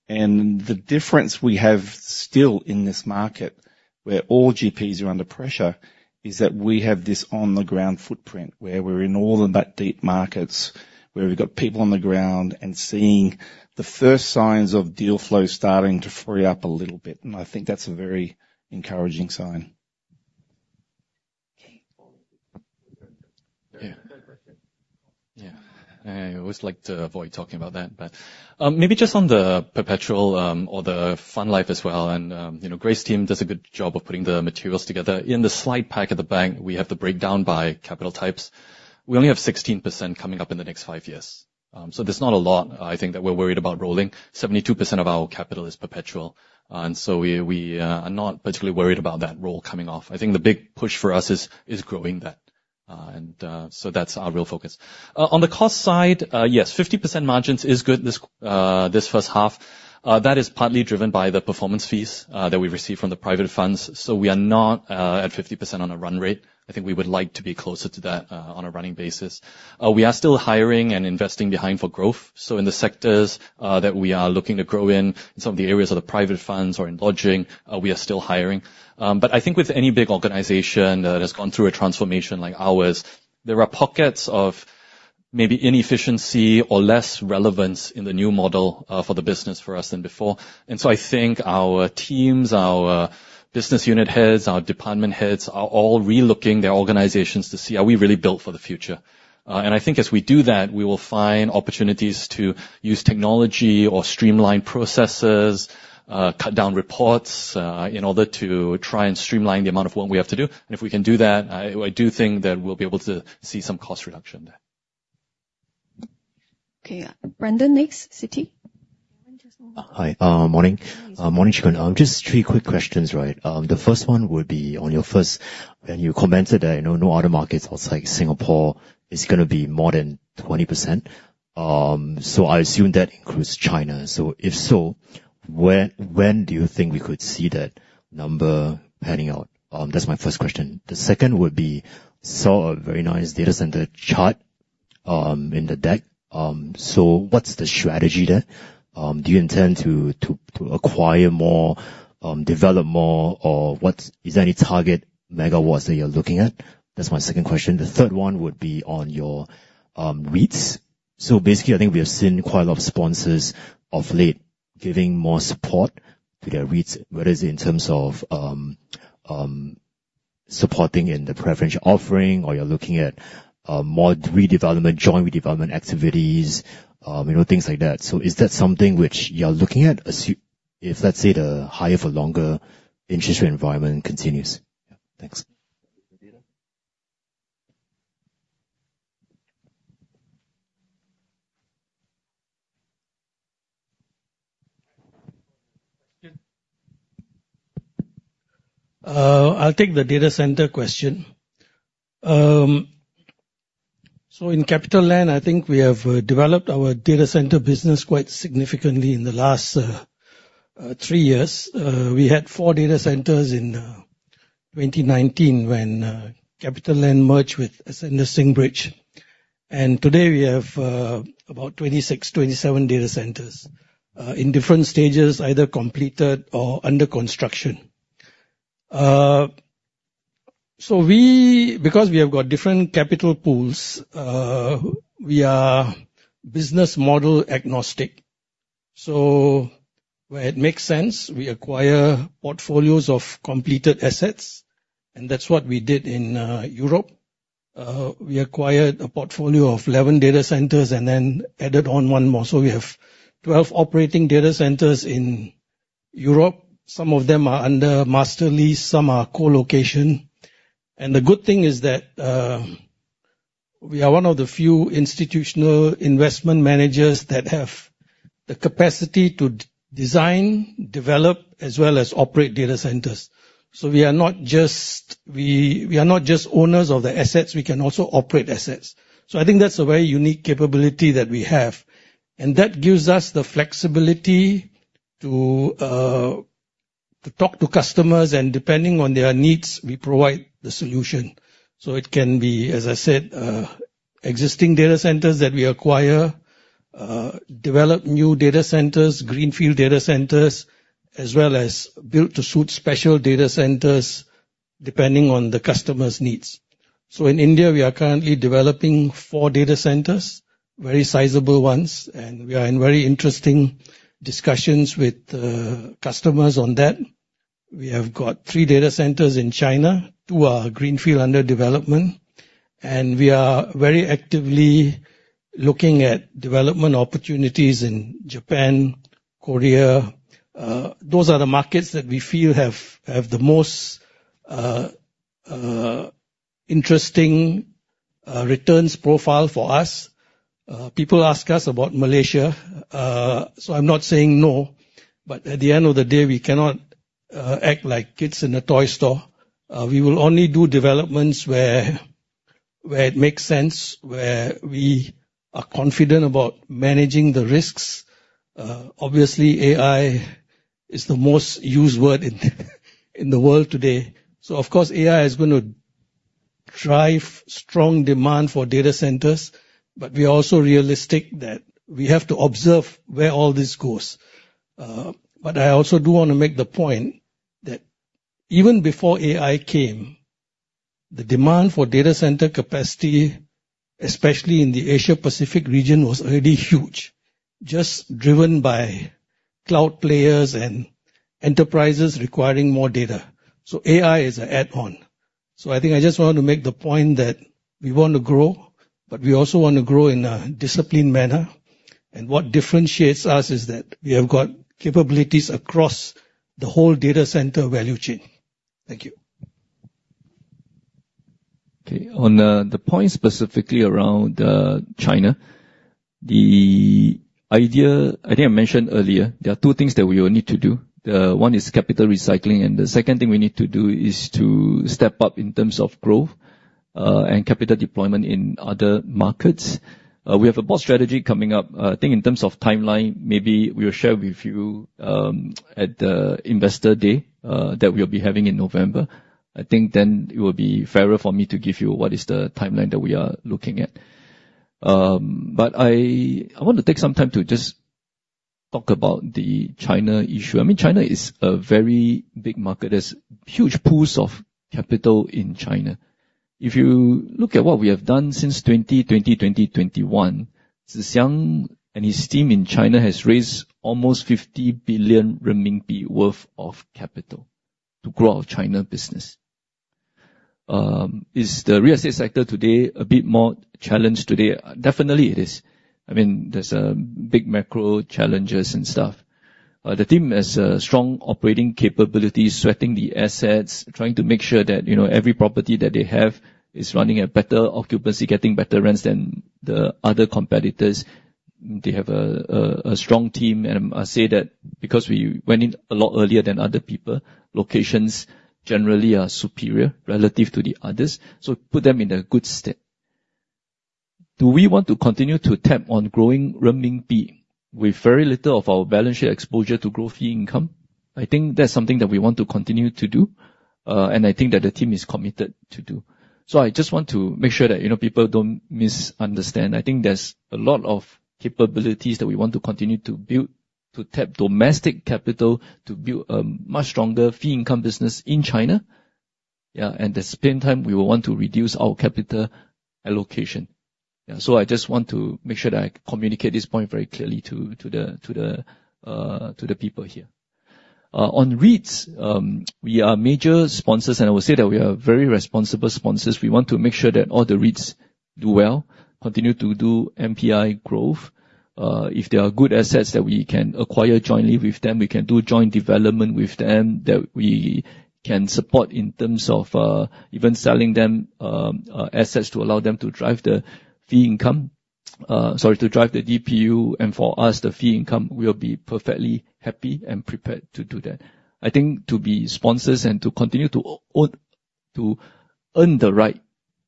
The difference we have still in this market, where all GPs are under pressure, is that we have this on-the-ground footprint, where we're in all the deep markets, where we've got people on the ground and seeing the first signs of deal flow starting to free up a little bit, and I think that's a very encouraging sign. Okay. Yeah. Yeah. I always like to avoid talking about that, but maybe just on the perpetual or the fund life as well, and you know, Grace team does a good job of putting the materials together. In the slide pack of the bank, we have the breakdown by capital types. We only have 16% coming up in the next five years. So there's not a lot, I think, that we're worried about rolling. 72% of our capital is perpetual, and so we are not particularly worried about that roll coming off. I think the big push for us is growing that. And so that's our real focus. On the cost side, yes, 50% margins is good this first half. That is partly driven by the performance fees that we've received from the private funds, so we are not at 50% on a run rate. I think we would like to be closer to that on a running basis. We are still hiring and investing behind for growth, so in the sectors that we are looking to grow in, in some of the areas of the private funds or in lodging, we are still hiring. But I think with any big organization that has gone through a transformation like ours, there are pockets of maybe inefficiency or less relevance in the new model for the business for us than before. So I think our teams, our business unit heads, our department heads, are all relooking their organizations to see, are we really built for the future? I think as we do that, we will find opportunities to use technology or streamline processes, cut down reports, in order to try and streamline the amount of work we have to do. If we can do that, I do think that we'll be able to see some cost reduction there. Okay, Brandon, next, Citi. Hi. Morning. Morning, Chee Koon. Just three quick questions, right? The first one would be on your first—when you commented that, you know, no other markets outside Singapore is gonna be more than 20%. So I assume that includes China. So if so, when do you think we could see that number panning out? That's my first question. The second would be, saw a very nice data center chart in the deck. So what's the strategy there? Do you intend to acquire more, develop more, or what is there any target megawatts that you're looking at? That's my second question. The third one would be on your REITs. So basically, I think we have seen quite a lot of sponsors of late giving more support to their REITs, whether it's in terms of supporting in the preferential offering, or you're looking at more redevelopment, joint redevelopment activities, you know, things like that. So is that something which you're looking at, assuming if, let's say, the higher for longer interest rate environment continues? Yeah. Thanks. I'll take the data center question. So in CapitaLand, I think we have developed our data center business quite significantly in the last three years. We had four data centers in 2019 when CapitaLand merged with Ascendas-Singbridge. And today we have about 26-27 data centers in different stages, either completed or under construction. So, because we have got different capital pools, we are business model agnostic.... So where it makes sense, we acquire portfolios of completed assets, and that's what we did in Europe. We acquired a portfolio of 11 data centers and then added on one more. So we have 12 operating data centers in Europe. Some of them are under master lease, some are co-location. And the good thing is that we are one of the few institutional investment managers that have the capacity to design, develop, as well as operate data centers. So we are not just-- we, we are not just owners of the assets, we can also operate assets. So I think that's a very unique capability that we have, and that gives us the flexibility to talk to customers, and depending on their needs, we provide the solution. So it can be, as I said, existing data centers that we acquire, develop new data centers, greenfield data centers, as well as built-to-suit special data centers, depending on the customer's needs. So in India, we are currently developing four data centers, very sizable ones, and we are in very interesting discussions with customers on that. We have got three data centers in China. Two are greenfield under development, and we are very actively looking at development opportunities in Japan, Korea. Those are the markets that we feel have the most interesting returns profile for us. People ask us about Malaysia, so I'm not saying no, but at the end of the day, we cannot act like kids in a toy store. We will only do developments where, where it makes sense, where we are confident about managing the risks. Obviously, AI is the most used word in, in the world today. So of course, AI is going to drive strong demand for data centers, but we are also realistic that we have to observe where all this goes. But I also do want to make the point that even before AI came, the demand for data center capacity, especially in the Asia-Pacific region, was already huge, just driven by cloud players and enterprises requiring more data. So AI is an add-on. So I think I just want to make the point that we want to grow, but we also want to grow in a disciplined manner. And what differentiates us is that we have got capabilities across the whole data center value chain. Thank you. Okay. On the point specifically around China, the idea... I think I mentioned earlier, there are two things that we will need to do. The one is capital recycling, and the second thing we need to do is to step up in terms of growth and capital deployment in other markets. We have a board strategy coming up. I think in terms of timeline, maybe we'll share with you at the investor day that we'll be having in November. I think then it will be fairer for me to give you what is the timeline that we are looking at. But I want to take some time to just talk about the China issue. I mean, China is a very big market. There's huge pools of capital in China. If you look at what we have done since 2021, Tze Shyang and his team in China has raised almost 50 billion renminbi worth of capital to grow our China business. Is the real estate sector today a bit more challenged today? Definitely, it is. I mean, there's big macro challenges and stuff. The team has a strong operating capability, sweating the assets, trying to make sure that, you know, every property that they have is running at better occupancy, getting better rents than the other competitors. They have a strong team, and I say that because we went in a lot earlier than other people, locations generally are superior relative to the others, so it put them in a good state. Do we want to continue to tap on growing renminbi with very little of our balance sheet exposure to grow fee income? I think that's something that we want to continue to do, and I think that the team is committed to do. So I just want to make sure that, you know, people don't misunderstand. I think there's a lot of capabilities that we want to continue to build, to tap domestic capital, to build a much stronger fee income business in China. Yeah, and at the same time, we will want to reduce our capital allocation. Yeah, so I just want to make sure that I communicate this point very clearly to the people here. On REITs, we are major sponsors, and I will say that we are very responsible sponsors. We want to make sure that all the REITs do well, continue to do NPI growth. If there are good assets that we can acquire jointly with them, we can do joint development with them that we can support in terms of, even selling them, assets, to allow them to drive the fee income... Sorry, to drive the DPU, and for us, the fee income, we will be perfectly happy and prepared to do that. I think to be sponsors and to continue to earn the right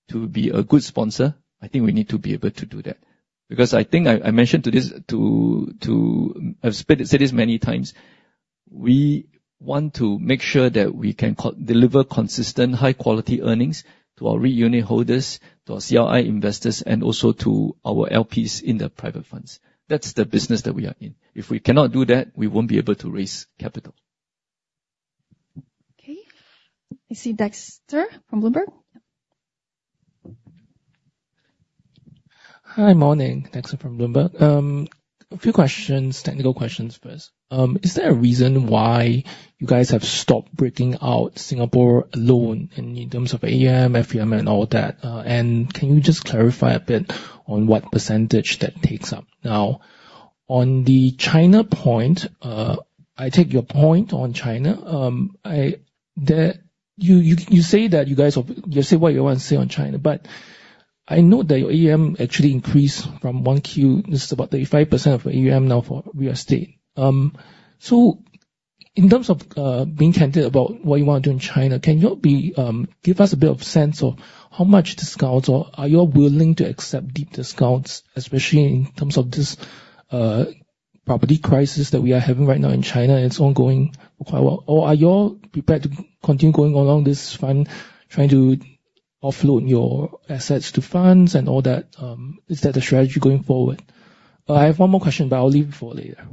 to be a good sponsor, I think we need to be able to do that. Because I think I mentioned to this, to, to... I've said this many times, we want to make sure that we can co-deliver consistent, high-quality earnings to our REIT unit holders, to our CLI investors, and also to our LPs in the private funds. That's the business that we are in. If we cannot do that, we won't be able to raise capital.... I see Dexter from Bloomberg? Hi, morning. Dexter Low from Bloomberg. A few questions, technical questions first. Is there a reason why you guys have stopped breaking out Singapore alone in terms of AUM, FUM, and all that? And can you just clarify a bit on what percentage that takes up? Now, on the China point, I take your point on China. You say what you want to say on China, but I know that your AUM actually increased from 1Q. This is about 35% of AUM now for real estate. So in terms of, being candid about what you want to do in China, can you be, give us a bit of sense of how much discounts, or are you all willing to accept deep discounts, especially in terms of this, property crisis that we are having right now in China, and it's ongoing quite well? Or are you all prepared to continue going along this fund, trying to offload your assets to funds and all that? Is that the strategy going forward? I have one more question, but I'll leave it for later.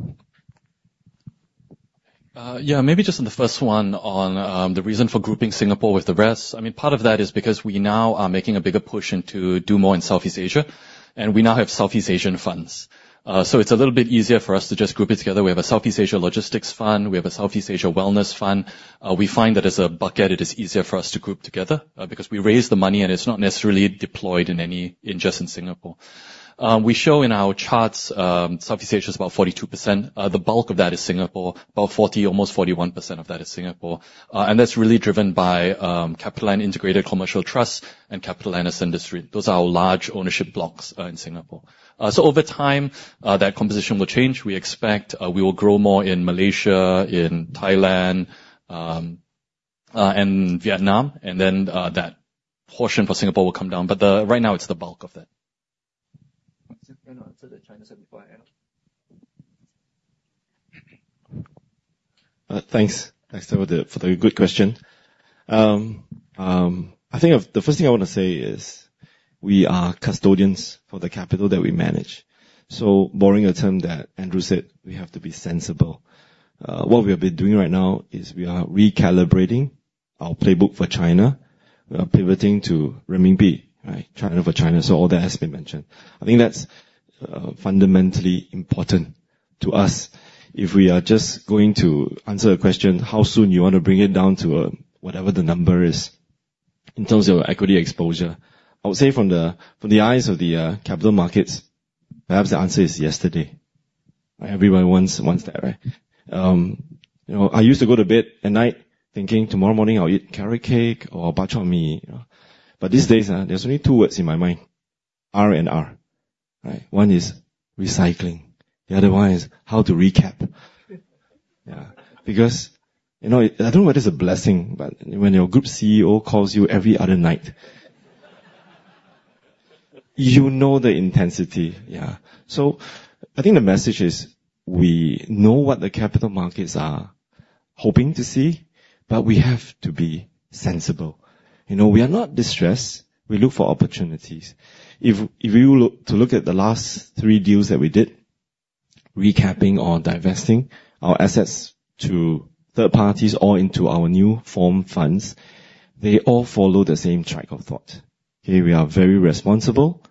Yeah, maybe just on the first one, on the reason for grouping Singapore with the rest. I mean, part of that is because we now are making a bigger push into do more in Southeast Asia, and we now have Southeast Asian funds. So it's a little bit easier for us to just group it together. We have a Southeast Asia Logistics Fund, we have a Southeast Asia Wellness Fund. We find that as a bucket, it is easier for us to group together, because we raise the money, and it's not necessarily deployed in any, in just in Singapore. We show in our charts, Southeast Asia is about 42%. The bulk of that is Singapore. About 40%, almost 41% of that is Singapore. And that's really driven by, CapitaLand Integrated Commercial Trust and CapitaLand India. Those are our large ownership blocks in Singapore. So over time, that composition will change. We expect we will grow more in Malaysia, in Thailand, and Vietnam, and then that portion for Singapore will come down. But right now, it's the bulk of that. You want to answer the China side before I ask? Thanks, Dexter, for the good question. I think the first thing I want to say is, we are custodians for the capital that we manage. So borrowing a term that Andrew said, "We have to be sensible." What we have been doing right now is we are recalibrating our playbook for China. We are pivoting to renminbi, right? China for China, so all that has been mentioned. I think that's fundamentally important to us. If we are just going to answer a question, how soon you want to bring it down to whatever the number is in terms of equity exposure, I would say from the eyes of the capital markets, perhaps the answer is yesterday. Everyone wants that, right? You know, I used to go to bed at night thinking, tomorrow morning I'll eat carrot cake or bak chor mee. But these days, there's only two words in my mind, R and R, right? One is recycling, the other one is how to recap. Yeah, because, you know, I don't know whether it's a blessing, but when your Group CEO calls you every other night, you know the intensity. Yeah. So I think the message is, we know what the capital markets are hoping to see, but we have to be sensible. You know, we are not distressed. We look for opportunities. If you look at the last three deals that we did, recapping or divesting our assets to third parties or into our new form funds, they all follow the same track of thought. Okay, we are very responsible.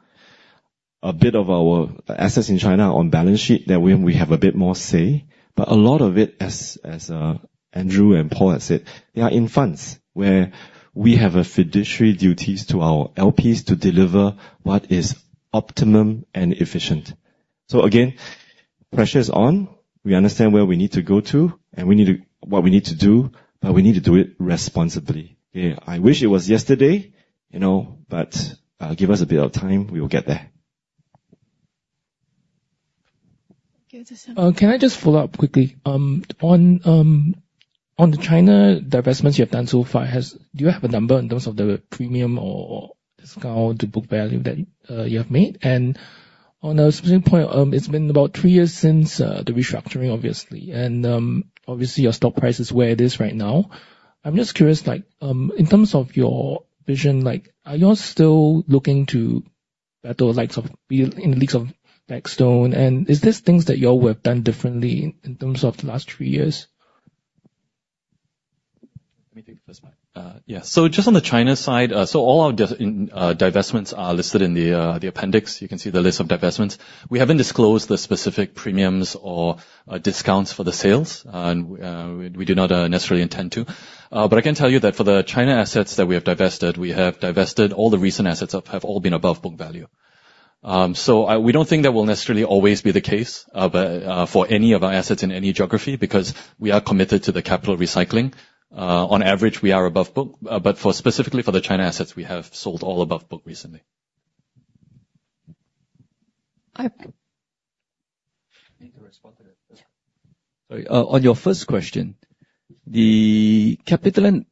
A bit of our assets in China are on balance sheet. That way, we have a bit more say. But a lot of it, as Andrew and Paul have said, they are in funds, where we have fiduciary duties to our LPs to deliver what is optimum and efficient. So again, pressure is on. We understand where we need to go to, and we need to... what we need to do, but we need to do it responsibly. Yeah, I wish it was yesterday, you know, but give us a bit of time, we will get there. Okay, just- Can I just follow up quickly? On the China divestments you have done so far, do you have a number in terms of the premium or discount to book value that you have made? And on a specific point, it's been about three years since the restructuring, obviously. And obviously, your stock price is where it is right now. I'm just curious, like, in terms of your vision, like, are you all still looking to battle likes of, be in the leagues of Blackstone? And is this things that you all would have done differently in terms of the last three years? Let me take the first one. Yeah. So just on the China side, so all our divestments are listed in the appendix. You can see the list of divestments. We haven't disclosed the specific premiums or discounts for the sales, and we do not necessarily intend to. But I can tell you that for the China assets that we have divested, we have divested all the recent assets have, have all been above book value. So, we don't think that will necessarily always be the case, but for any of our assets in any geography, because we are committed to the capital recycling. On average, we are above book, but for specifically for the China assets, we have sold all above book recently. I- Need to respond to that. Yeah. Sorry. On your first question, the CapitaLand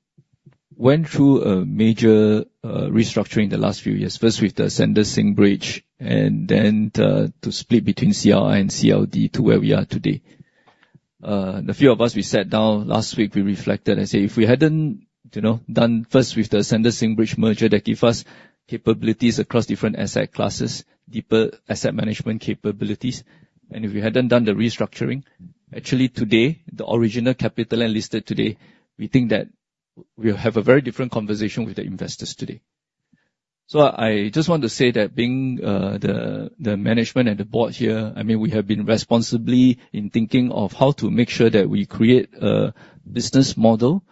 went through a major restructuring the last few years, first with the Ascendas-Singbridge, and then the split between CLI and CLD to where we are today. The few of us, we sat down last week, we reflected and said, "If we hadn't, you know, done first with the Ascendas-Singbridge merger, that give us capabilities across different asset classes, deeper asset management capabilities, and if we hadn't done the restructuring, actually today, the original CapitaLand listed today, we think that we'll have a very different conversation with the investors today. ... So I just want to say that being the management and the board here, I mean, we have been responsibly in thinking of how to make sure that we create a business model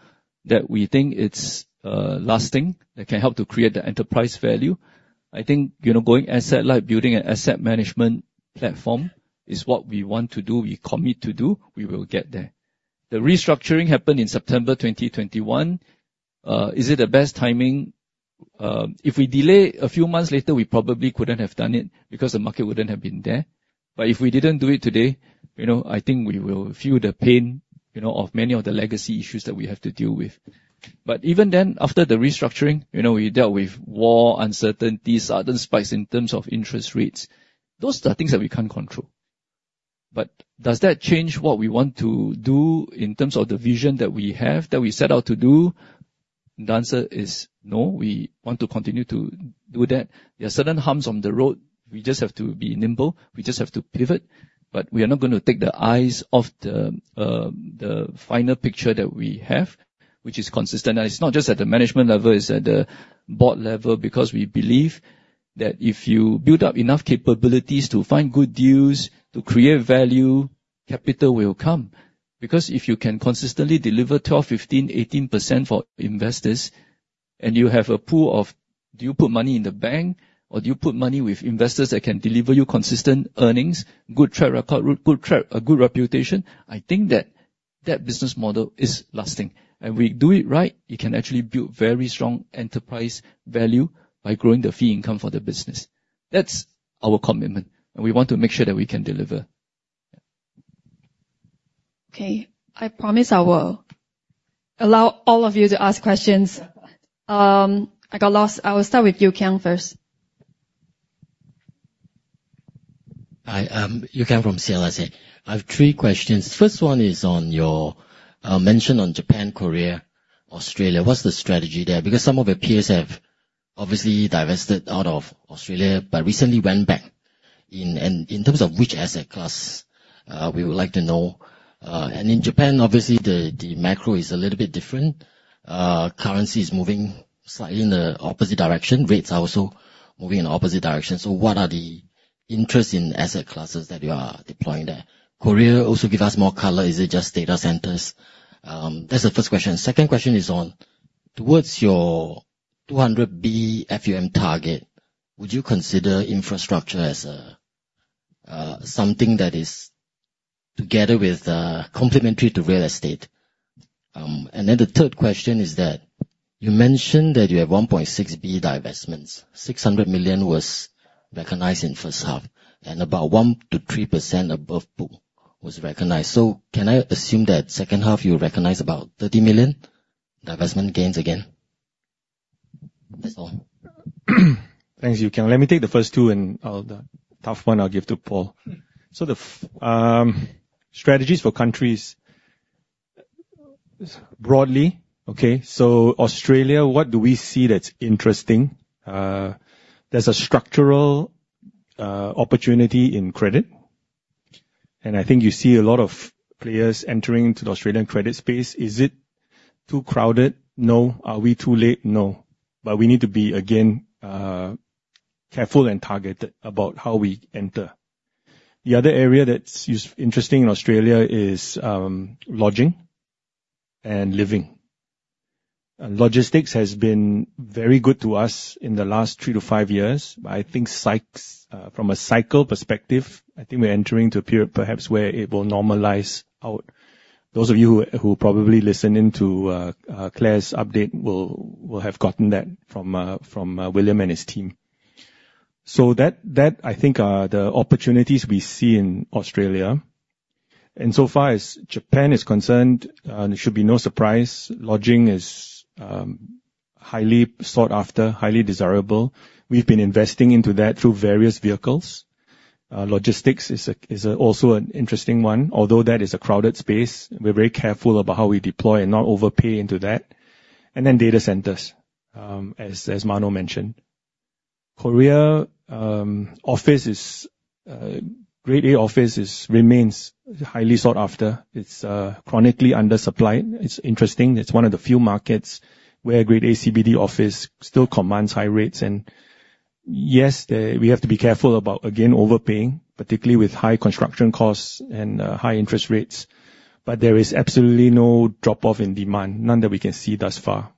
that we think it's lasting, that can help to create the enterprise value. I think, you know, going asset-light, building an asset management platform is what we want to do, we commit to do, we will get there. The restructuring happened in September 2021. Is it the best timing? If we delay a few months later, we probably couldn't have done it because the market wouldn't have been there. But if we didn't do it today, you know, I think we will feel the pain, you know, of many of the legacy issues that we have to deal with. But even then, after the restructuring, you know, we dealt with war, uncertainties, sudden spikes in terms of interest rates. Those are the things that we can't control. But does that change what we want to do in terms of the vision that we have, that we set out to do? The answer is no. We want to continue to do that. There are certain humps on the road, we just have to be nimble, we just have to pivot, but we are not gonna take the eyes off the final picture that we have, which is consistent. And it's not just at the management level, it's at the board level, because we believe that if you build up enough capabilities to find good deals, to create value, capital will come. Because if you can consistently deliver 12%, 15%, 18% for investors, and you have a pool of... Do you put money in the bank, or do you put money with investors that can deliver you consistent earnings, good track record, good track, a good reputation? I think that that business model is lasting. And we do it right, you can actually build very strong enterprise value by growing the fee income for the business. That's our commitment, and we want to make sure that we can deliver. Okay, I promise I will allow all of you to ask questions. I got lost. I will start with you, Yew Kiang, first. Hi, Yew Kiang from CLSA. I have three questions. First one is on your mention on Japan, Korea, Australia. What's the strategy there? Because some of your peers have obviously divested out of Australia, but recently went back in. And in terms of which asset class, we would like to know. And in Japan, obviously, the macro is a little bit different. Currency is moving slightly in the opposite direction. Rates are also moving in the opposite direction. So what are the interests in asset classes that you are deploying there? Korea, also give us more color. Is it just data centers? That's the first question. Second question is on towards your $200 billion FUM target, would you consider infrastructure as a something that is together with complementary to real estate? And then the third question is that you mentioned that you have $1.6 billion divestments. $600 million was recognized in first half, and about 1%-3% above pool was recognized. So can I assume that second half, you'll recognize about $30 million divestment gains again? That's all. Thanks, Yew Kiang. Let me take the first two, and the tough one I'll give to Paul. Mm-hmm. So the strategies for countries, broadly, okay, so Australia, what do we see that's interesting? There's a structural opportunity in credit, and I think you see a lot of players entering into the Australian credit space. Is it too crowded? No. Are we too late? No. But we need to be, again, careful and targeted about how we enter. The other area that is interesting in Australia is lodging and living. Logistics has been very good to us in the last three to five years, but I think from a cycle perspective, I think we're entering into a period perhaps where it will normalize out. Those of you who probably listened into CLAR's update will have gotten that from William and his team. So that I think are the opportunities we see in Australia. And so far as Japan is concerned, there should be no surprise, lodging is highly sought after, highly desirable. We've been investing into that through various vehicles. Logistics is also an interesting one, although that is a crowded space. We're very careful about how we deploy and not overpay into that. And then data centers, as Mano mentioned. Korea, office is, Grade A office remains highly sought after. It's chronically undersupplied. It's interesting, it's one of the few markets where Grade A CBD office still commands high rates. And yes, we have to be careful about, again, overpaying, particularly with high construction costs and high interest rates, but there is absolutely no drop-off in demand, none that we can see thus far.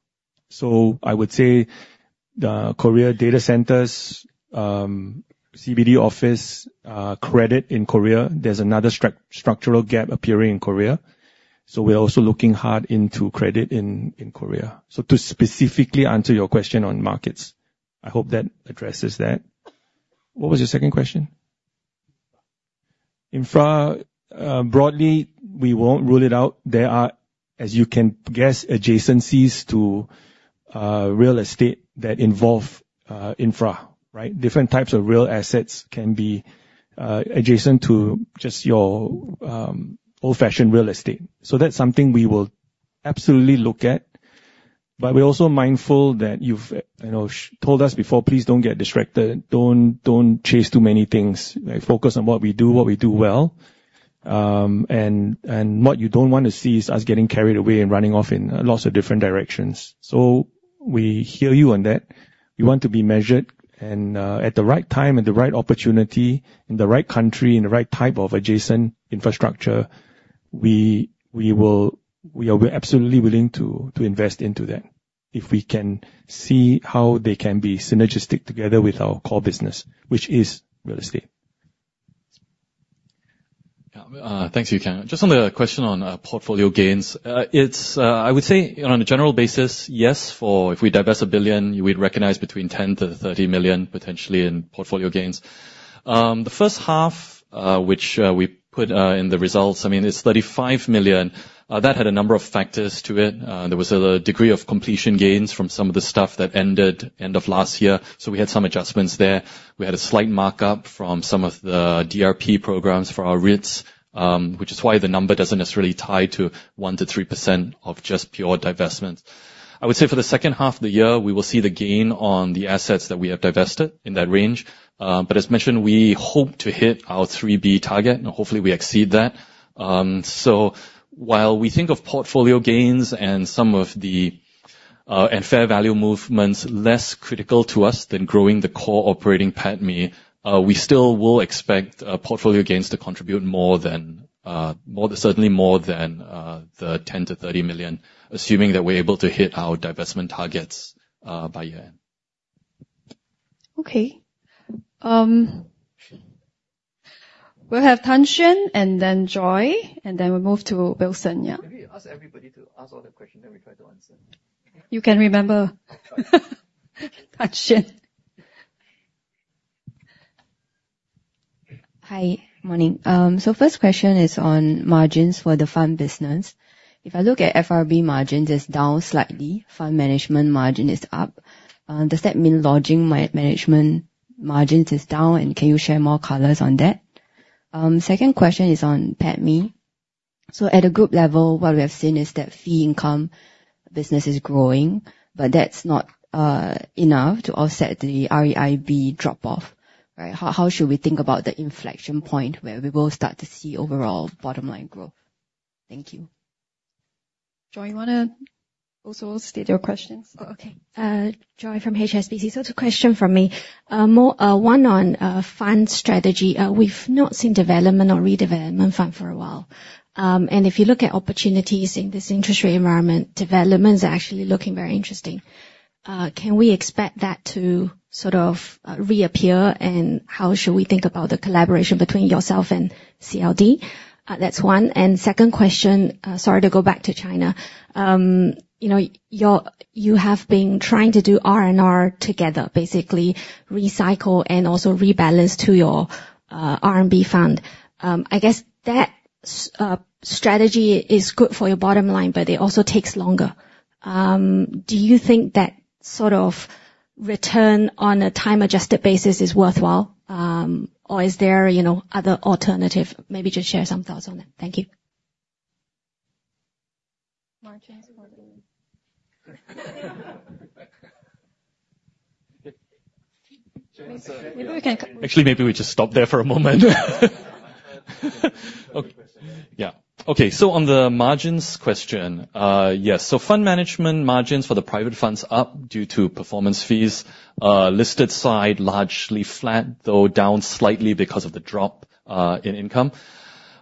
So I would say the Korea data centers, CBD office, credit in Korea, there's another structural gap appearing in Korea, so we're also looking hard into credit in, in Korea. So to specifically answer your question on markets, I hope that addresses that. What was your second question? Infra, broadly, we won't rule it out. There are, as you can guess, adjacencies to, real estate that involve, infra, right? Different types of real assets can be, adjacent to just your, old-fashioned real estate. So that's something we will absolutely look at, but we're also mindful that you've, you know, told us before, please don't get distracted, don't, don't chase too many things. Focus on what we do, what we do well.... and what you don't want to see is us getting carried away and running off in lots of different directions. So we hear you on that. We want to be measured, and at the right time and the right opportunity, in the right country, in the right type of adjacent infrastructure, we will. We are absolutely willing to invest into that if we can see how they can be synergistic together with our core business, which is real estate. Yeah. Thanks, Yew Kiang. Just on the question on portfolio gains. It's, I would say, on a general basis, yes, for if we divest $1 billion, we'd recognize between $10 million-$30 million potentially in portfolio gains. The first half, which we put in the results, I mean, it's $35 million. That had a number of factors to it. There was a degree of completion gains from some of the stuff that ended end of last year, so we had some adjustments there. We had a slight markup from some of the DRP programs for our REITs, which is why the number doesn't necessarily tie to 1%-3% of just pure divestments. I would say for the second half of the year, we will see the gain on the assets that we have divested in that range. But as mentioned, we hope to hit our 3B target, and hopefully, we exceed that. So while we think of portfolio gains and fair value movements less critical to us than growing the core operating PATMI, we still will expect portfolio gains to contribute more than, certainly more than, the $10 million-$30 million, assuming that we're able to hit our divestment targets by year-end. Okay. We'll have Tan Xuan and then Joy, and then we'll move to Wilson, yeah. Maybe ask everybody to ask all the question, then we try to answer. You can remember. Tan Xuan. Hi, morning. So first question is on margins for the fund business. If I look at FRB margins, it's down slightly. Fund management margin is up. Does that mean lodging management margins is down, and can you share more colors on that? Second question is on PATMI. So at a group level, what we have seen is that fee income business is growing, but that's not enough to offset the REIB drop-off, right? How should we think about the inflection point where we will start to see overall bottom line growth? Thank you. Joy, you wanna also state your questions? Oh, okay. Joy from HSBC. So two questions from me. More, one on fund strategy. We've not seen development or redevelopment fund for a while. And if you look at opportunities in this interest rate environment, development is actually looking very interesting. Can we expect that to sort of reappear, and how should we think about the collaboration between yourself and CLD? That's one. Second question, sorry, to go back to China. You know, you have been trying to do R&R together, basically recycle and also rebalance to your RMB fund. I guess that strategy is good for your bottom line, but it also takes longer. Do you think that sort of return on a time-adjusted basis is worthwhile? Or is there, you know, other alternative? Maybe just share some thoughts on it. Thank you. Margins for the... Actually, maybe we just stop there for a moment. Good question. Yeah. Okay, so on the margins question, yes, so fund management margins for the private funds are up due to performance fees. Listed side, largely flat, though down slightly because of the drop in income.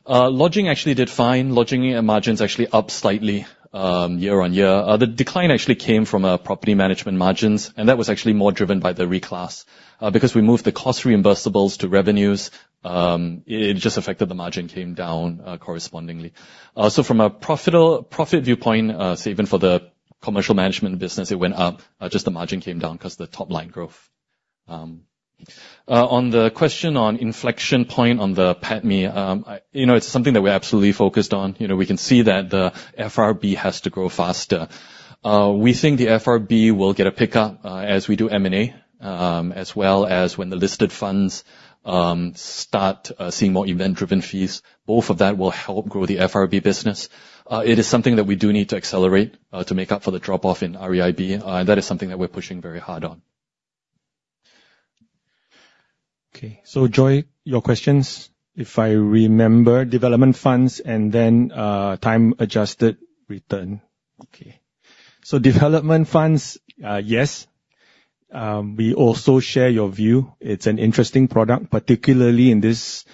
Lodging actually did fine. Lodging margins actually up slightly, year-on-year. The decline actually came from a property management margins, and that was actually more driven by the reclass. Because we moved the cost reimbursables to revenues, it just affected the margin came down, correspondingly. So from a profit viewpoint, so even for the commercial management business, it went up, just the margin came down because the top line growth. On the question on inflection point on the PATMI, I... You know, it's something that we're absolutely focused on. You know, we can see that the FRB has to grow faster. We think the FRB will get a pickup, as we do M&A, as well as when the listed funds start seeing more event-driven fees. Both of that will help grow the FRB business. It is something that we do need to accelerate, to make up for the drop-off in REIB, and that is something that we're pushing very hard on. Okay, so Joy, your questions, if I remember, development funds and then time-adjusted return. Okay. So development funds, yes, we also share your view. It's an interesting product, particularly in this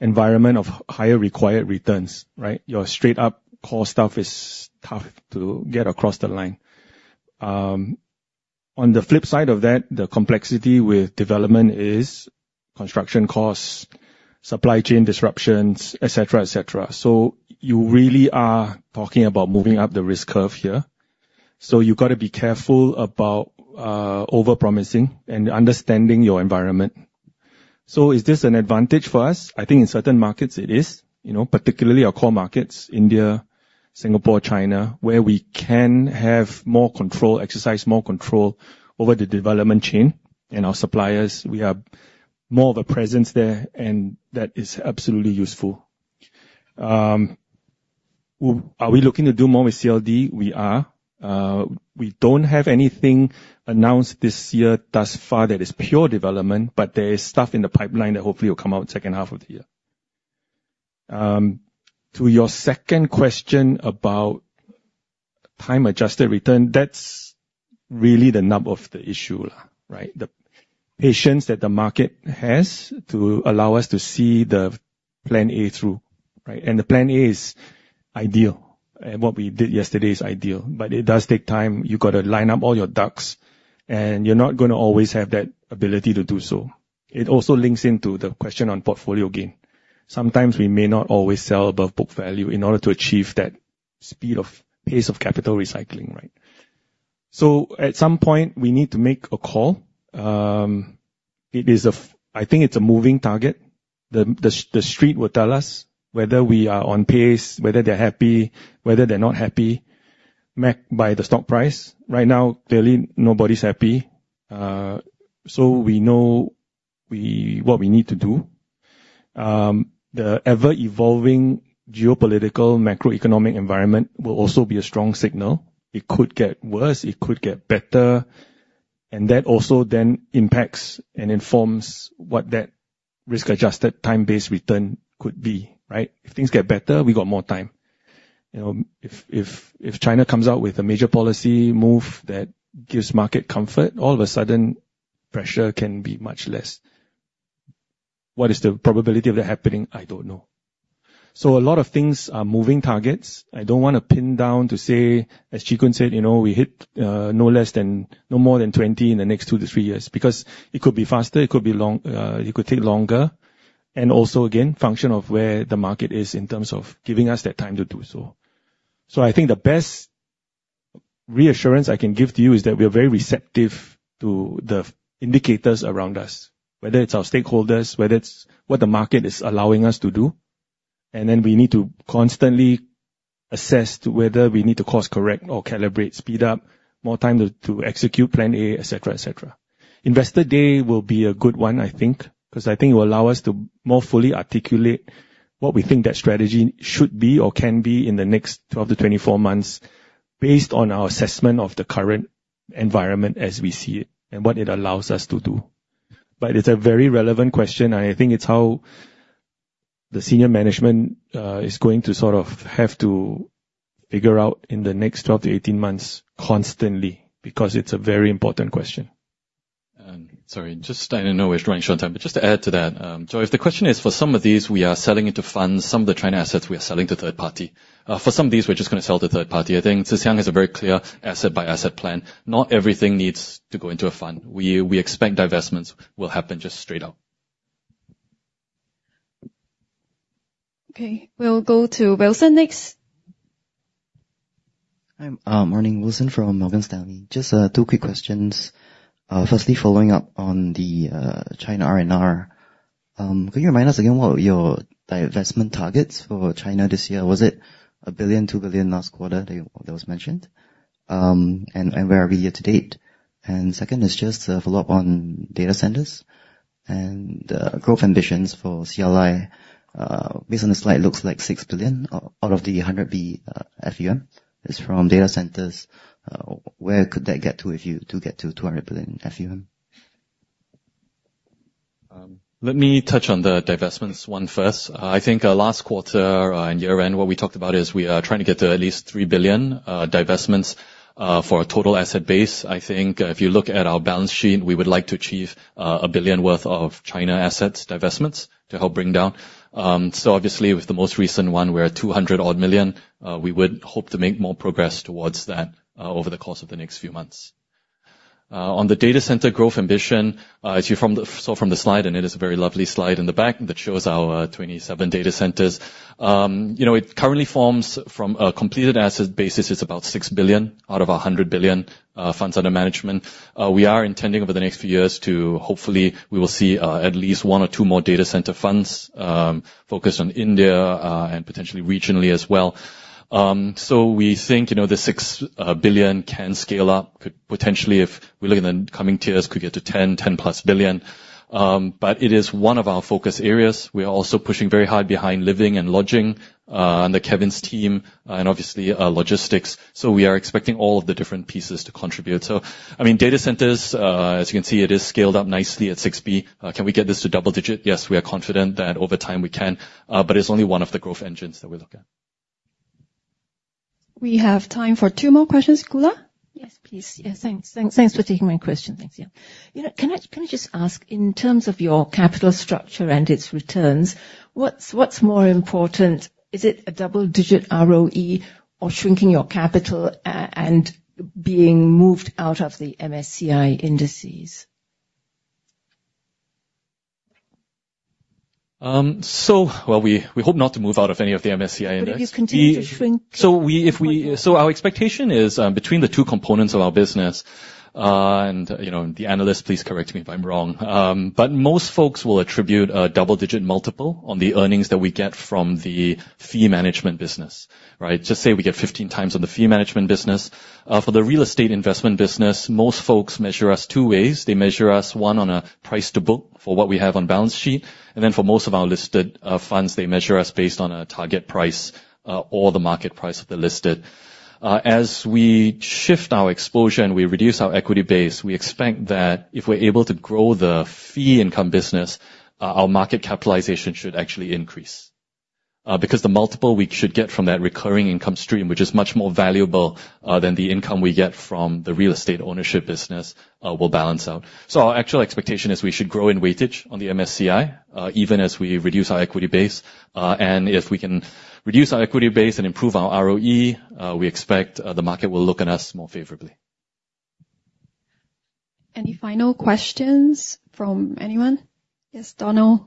environment of higher required returns, right? Your straight up core stuff is tough to get across the line. On the flip side of that, the complexity with development is construction costs, supply chain disruptions, et cetera, et cetera. So you really are talking about moving up the risk curve here, so you've got to be careful about overpromising and understanding your environment. So is this an advantage for us? I think in certain markets, it is, you know, particularly our core markets, India, Singapore, China, where we can have more control, exercise more control over the development chain and our suppliers. We have more of a presence there, and that is absolutely useful. Are we looking to do more with CLD? We are. We don't have anything announced this year thus far that is pure development, but there is stuff in the pipeline that hopefully will come out second half of the year. To your second question about time-adjusted return, that's really the nub of the issue, right? The patience that the market has to allow us to see the Plan A through, right? And the Plan A is ideal, and what we did yesterday is ideal, but it does take time. You've got to line up all your ducks, and you're not gonna always have that ability to do so. It also links into the question on portfolio gain. Sometimes we may not always sell above book value in order to achieve that pace of capital recycling, right? So at some point, we need to make a call. It is a—I think it's a moving target. The street will tell us whether we are on pace, whether they're happy, whether they're not happy, mainly by the stock price. Right now, clearly, nobody's happy. So we know what we need to do. The ever-evolving geopolitical macroeconomic environment will also be a strong signal. It could get worse, it could get better, and that also then impacts and informs what that risk-adjusted, time-based return could be, right? If things get better, we got more time. You know, if China comes out with a major policy move that gives market comfort, all of a sudden, pressure can be much less. What is the probability of that happening? I don't know. So a lot of things are moving targets. I don't wanna pin down to say, as Chee Koon said, you know, we hit no less than... no more than 20 in the next two to three years, because it could be faster, it could be long, it could take longer, and also, again, function of where the market is in terms of giving us that time to do so. So I think the best reassurance I can give to you is that we are very receptive to the indicators around us, whether it's our stakeholders, whether it's what the market is allowing us to do, and then we need to constantly assess whether we need to course correct or calibrate, speed up, more time to execute Plan A, et cetera, et cetera. Investor Day will be a good one, I think, 'cause I think it will allow us to more fully articulate what we think that strategy should be or can be in the next 12-24 months based on our assessment of the current environment as we see it and what it allows us to do. But it's a very relevant question, and I think it's how the senior management is going to sort of have to figure out in the next 12-18 months constantly, because it's a very important question. And sorry, just I didn't know we're running short on time, but just to add to that, so if the question is for some of these, we are selling into funds. Some of the China assets we are selling to third party. For some of these, we're just gonna sell to third party. I think Tze Shyang has a very clear asset-by-asset plan. Not everything needs to go into a fund. We expect divestments will happen just straight out. Okay, we'll go to Wilson next. Hi, morning. Wilson from Morgan Stanley. Just two quick questions. Firstly, following up on the China R&R, could you remind us again what your divestment targets for China this year? Was it $1 billion, $2 billion last quarter that you, that was mentioned? And where are we year to date? Second is just a follow-up on data centers and growth ambitions for CLI. Based on the slide, looks like $6 billion out of the $100 billion FUM is from data centers. Where could that get to if you do get to $200 billion FUM? Let me touch on the divestments one first. I think, last quarter, in year-end, what we talked about is we are trying to get to at least $3 billion divestments for our total asset base. I think, if you look at our balance sheet, we would like to achieve $1 billion worth of China assets divestments to help bring down. So obviously, with the most recent one, we're at $200-odd million. We would hope to make more progress towards that over the course of the next few months. On the data center growth ambition, as you saw from the slide, and it is a very lovely slide in the back that shows our 27 data centers. You know, it currently forms from a completed asset basis, it's about $6 billion out of $100 billion, funds under management. We are intending over the next few years to hopefully we will see, at least 1 or 2 more data center funds, focused on India, and potentially regionally as well. So we think, you know, the 6 billion can scale up, could potentially, if we look in the coming years, could get to $10 billion, $10+ billion. But it is one of our focus areas. We are also pushing very hard behind living and lodging, and the Kevin's team, and obviously, logistics. So we are expecting all of the different pieces to contribute. So, I mean, data centers, as you can see, it is scaled up nicely at $6 billion. Can we get this to double digit? Yes, we are confident that over time we can, but it's only one of the growth engines that we're looking at. We have time for two more questions. Kula? Yes, please. Yes, thanks. Thanks, thanks for taking my question. Thanks, yeah. You know, can I just ask, in terms of your capital structure and its returns, what's more important? Is it a double-digit ROE or shrinking your capital and being moved out of the MSCI indices? So, well, we hope not to move out of any of the MSCI index. But if you continue to shrink- So we, if we-... So our expectation is, between the two components of our business, and, you know, the analyst, please correct me if I'm wrong, but most folks will attribute a double-digit multiple on the earnings that we get from the fee management business, right? Just say we get 15x on the fee management business. For the real estate investment business, most folks measure us two ways. They measure us, one, on a price to book for what we have on balance sheet, and then for most of our listed funds, they measure us based on a target price, or the market price that they're listed. As we shift our exposure and we reduce our equity base, we expect that if we're able to grow the fee income business, our market capitalization should actually increase.... because the multiple we should get from that recurring income stream, which is much more valuable, than the income we get from the real estate ownership business, will balance out. So our actual expectation is we should grow in weightage on the MSCI, even as we reduce our equity base. And if we can reduce our equity base and improve our ROE, we expect, the market will look at us more favorably. Any final questions from anyone? Yes, Donald?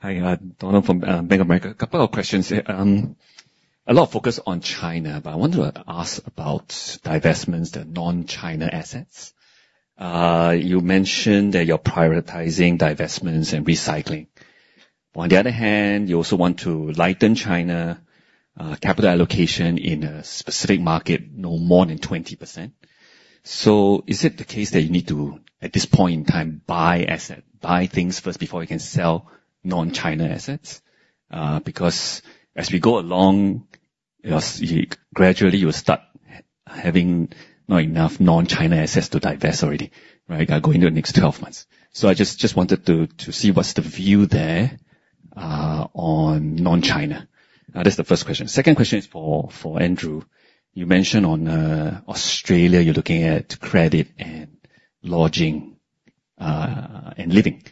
Hi, Donald from Bank of America. Couple of questions here. A lot of focus on China, but I wanted to ask about divestments, the non-China assets. You mentioned that you're prioritizing divestments and recycling. On the other hand, you also want to lighten China capital allocation in a specific market, no more than 20%. So is it the case that you need to, at this point in time, buy asset, buy things first before you can sell non-China assets? Because as we go along, as you gradually you'll start having not enough non-China assets to divest already, right? Going into the next 12 months. So I just, just wanted to, to see what's the view there, on non-China. That's the first question. Second question is for, for Andrew. You mentioned on Australia, you're looking at credit and lodging and living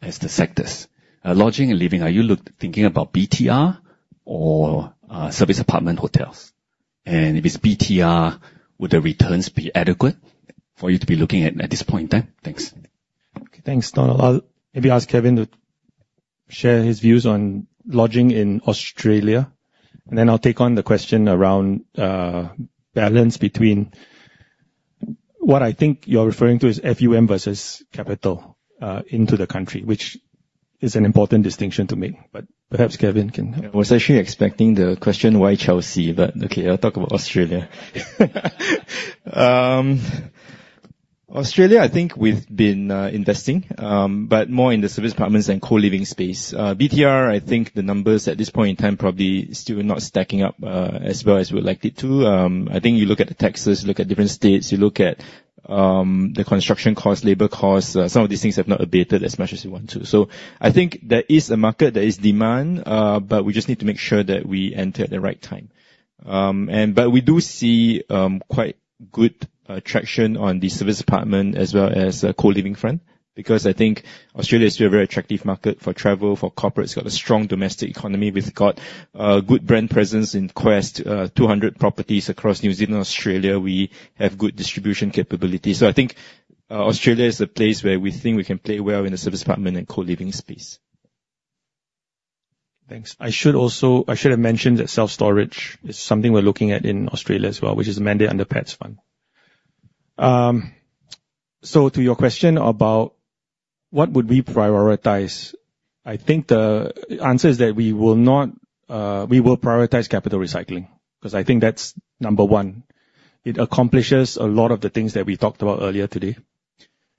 as the sectors. Lodging and living, are you thinking about BTR or service apartment hotels? And if it's BTR, would the returns be adequate for you to be looking at at this point in time? Thanks. Thanks, Donald. I'll maybe ask Kevin to share his views on lodging in Australia, and then I'll take on the question around, balance between... What I think you're referring to is FUM versus capital, into the country, which is an important distinction to make. But perhaps Kevin can- I was actually expecting the question, why Chelsea? But okay, I'll talk about Australia. Australia, I think we've been investing, but more in the service departments than co-living space. BTR, I think the numbers at this point in time, probably still not stacking up, as well as we would like it to. I think you look at the taxes, you look at different states, you look at the construction costs, labor costs, some of these things have not abated as much as we want to. So I think there is a market, there is demand, but we just need to make sure that we enter at the right time. But we do see quite good traction on the service apartment as well as co-living front, because I think Australia is still a very attractive market for travel, for corporate. It's got a strong domestic economy. We've got good brand presence in Quest, 200 properties across New Zealand, Australia. We have good distribution capability. So I think Australia is a place where we think we can play well in the service apartment and co-living space. Thanks. I should also have mentioned that self-storage is something we're looking at in Australia as well, which is a mandate under PATS Fund. So to your question about what would we prioritize, I think the answer is that we will not... we will prioritize capital recycling, 'cause I think that's number one. It accomplishes a lot of the things that we talked about earlier today.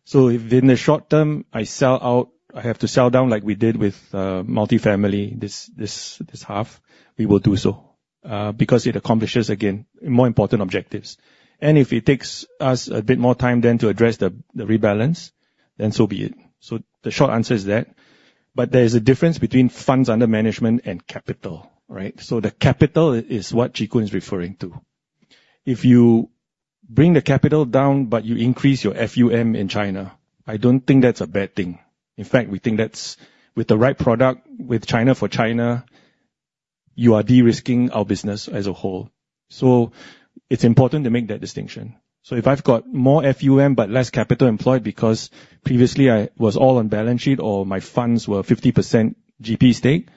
So if in the short term, I sell out, I have to sell down, like we did with multifamily, this, this, this half, we will do so, because it accomplishes, again, more important objectives. And if it takes us a bit more time then to address the, the rebalance, then so be it. So the short answer is that. But there is a difference between funds under management and capital, right? So the capital is what Chee Koon is referring to. If you bring the capital down, but you increase your FUM in China, I don't think that's a bad thing. In fact, we think that's with the right product, with China for China, you are de-risking our business as a whole. So it's important to make that distinction. So if I've got more FUM, but less capital employed, because previously I was all on balance sheet, or my funds were 50% GP stake,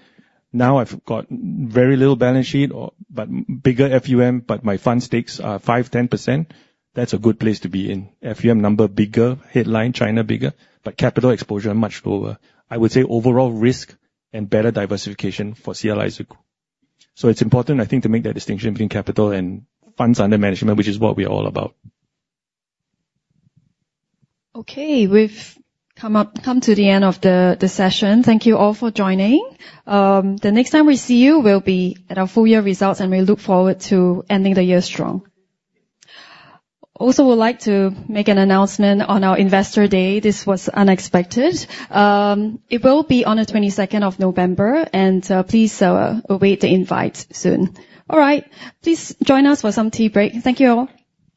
now I've got very little balance sheet or... but bigger FUM, but my fund stakes are 5%-10%, that's a good place to be in. FUM number bigger, headline China bigger, but capital exposure much lower. I would say overall risk and better diversification for CLI secure. It's important, I think, to make that distinction between capital and funds under management, which is what we are all about. Okay, we've come to the end of the session. Thank you all for joining. The next time we see you will be at our full year results, and we look forward to ending the year strong. Also, would like to make an announcement on our Investor Day. This was unexpected. It will be on the twenty-second of November, and please await the invite soon. All right. Please join us for some tea break. Thank you, all.